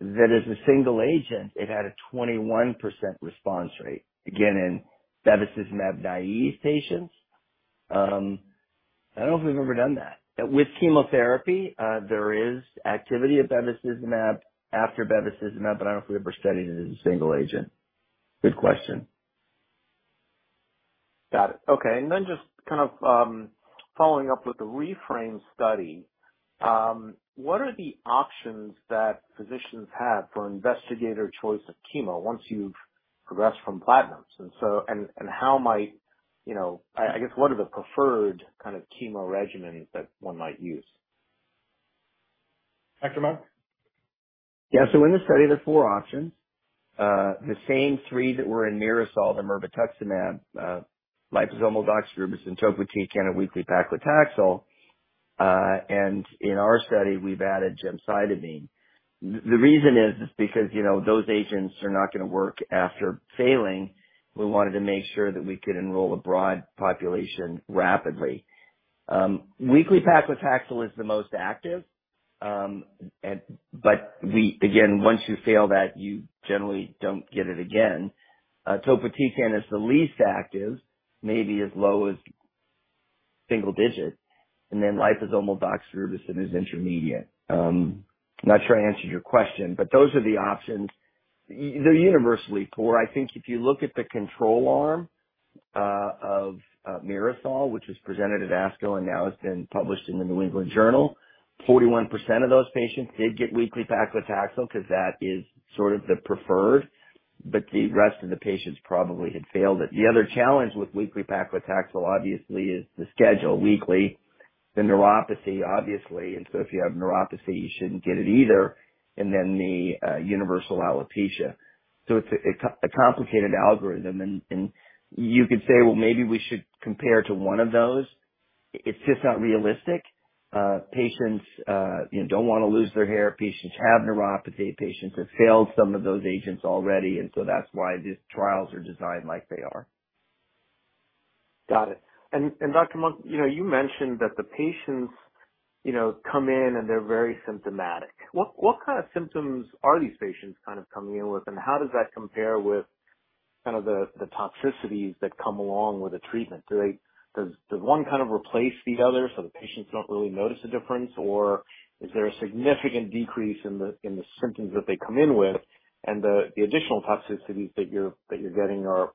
that as a single agent, it had a 21% response rate, again, in bevacizumab naive patients. I don't know if we've ever done that. With chemotherapy, there is activity of bevacizumab after bevacizumab, but I don't know if we ever studied it as a single agent. Good question. Got it. Okay. And then just kind of, following up with the REFRAME study, what are the options that physicians have for investigator choice of chemo once you've progressed from platinums? And so... And, and how might, you know, I, I guess, what are the preferred kind of chemo regimens that one might use? Dr. Monk? Yeah. So in the study, there are four options. The same three that were in MIRASOL, the irinotecan, liposomal doxorubicin, topotecan, and a weekly paclitaxel. And in our study, we've added gemcitabine. The reason is because, you know, those agents are not gonna work after failing. We wanted to make sure that we could enroll a broad population rapidly. Weekly paclitaxel is the most active, and but we again, once you fail that, you generally don't get it again. Topotecan is the least active, maybe as low as single digits, and then liposomal doxorubicin is intermediate. I'm not sure I answered your question, but those are the options. They're universally poor. I think if you look at the control arm of MIRASOL, which was presented at ASCO and now it's been published in the New England Journal, 41% of those patients did get weekly paclitaxel, 'cause that is sort of the preferred, but the rest of the patients probably had failed it. The other challenge with weekly paclitaxel, obviously, is the schedule, weekly. The neuropathy, obviously, and so if you have neuropathy, you shouldn't get it either, and then the universal alopecia. So it's a complicated algorithm, and you could say, "Well, maybe we should compare to one of those." It's just not realistic. Patients, you know, don't wanna lose their hair. Patients have neuropathy. Patients have failed some of those agents already, and so that's why these trials are designed like they are. Got it. And Dr. Monk, you know, you mentioned that the patients, you know, come in and they're very symptomatic. What kind of symptoms are these patients kind of coming in with? And how does that compare with kind of the toxicities that come along with the treatment? Does one kind of replace the other so the patients don't really notice a difference? Or is there a significant decrease in the symptoms that they come in with, and the additional toxicities that you're getting are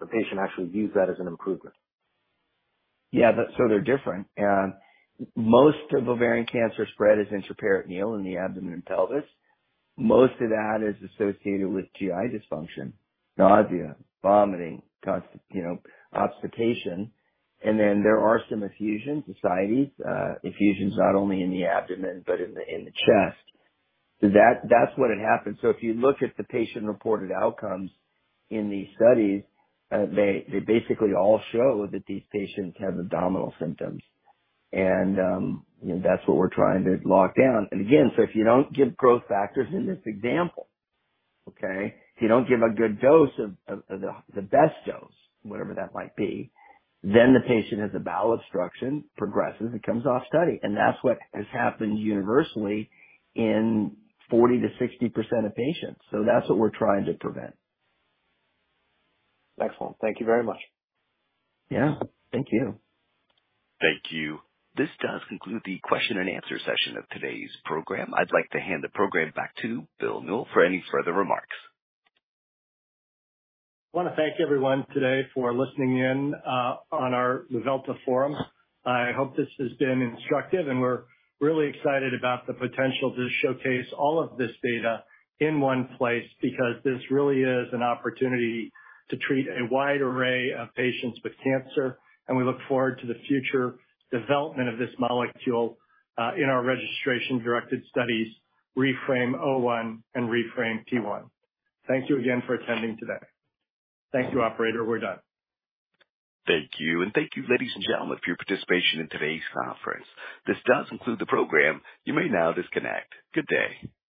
the patient actually views that as an improvement? Yeah. That's so they're different. And most of ovarian cancer spread is intraperitoneal in the abdomen and pelvis. Most of that is associated with GI dysfunction, nausea, vomiting, constip- you know, obstipation, and then there are some effusions, ascites, effusions not only in the abdomen but in the chest. That's what had happened. So if you look at the patient-reported outcomes in these studies, they basically all show that these patients have abdominal symptoms. And, you know, that's what we're trying to lock down. And again, so if you don't give growth factors in this example, okay? If you don't give a good dose of the best dose, whatever that might be, then the patient has a bowel obstruction, progresses, and comes off study. And that's what has happened universally in 40%-60% of patients. So that's what we're trying to prevent. Excellent. Thank you very much. Yeah. Thank you. Thank you. This does conclude the question and answer session of today's program. I'd like to hand the program back to Bill Newell for any further remarks. I wanna thank everyone today for listening in on our Luvelta forum. I hope this has been instructive, and we're really excited about the potential to showcase all of this data in one place, because this really is an opportunity to treat a wide array of patients with cancer. We look forward to the future development of this molecule in our registration-directed studies, REFRAME-O1 and REFRAME-P1. Thank you again for attending today. Thank you, operator. We're done. Thank you. Thank you, ladies and gentlemen, for your participation in today's conference. This does conclude the program. You may now disconnect. Good day.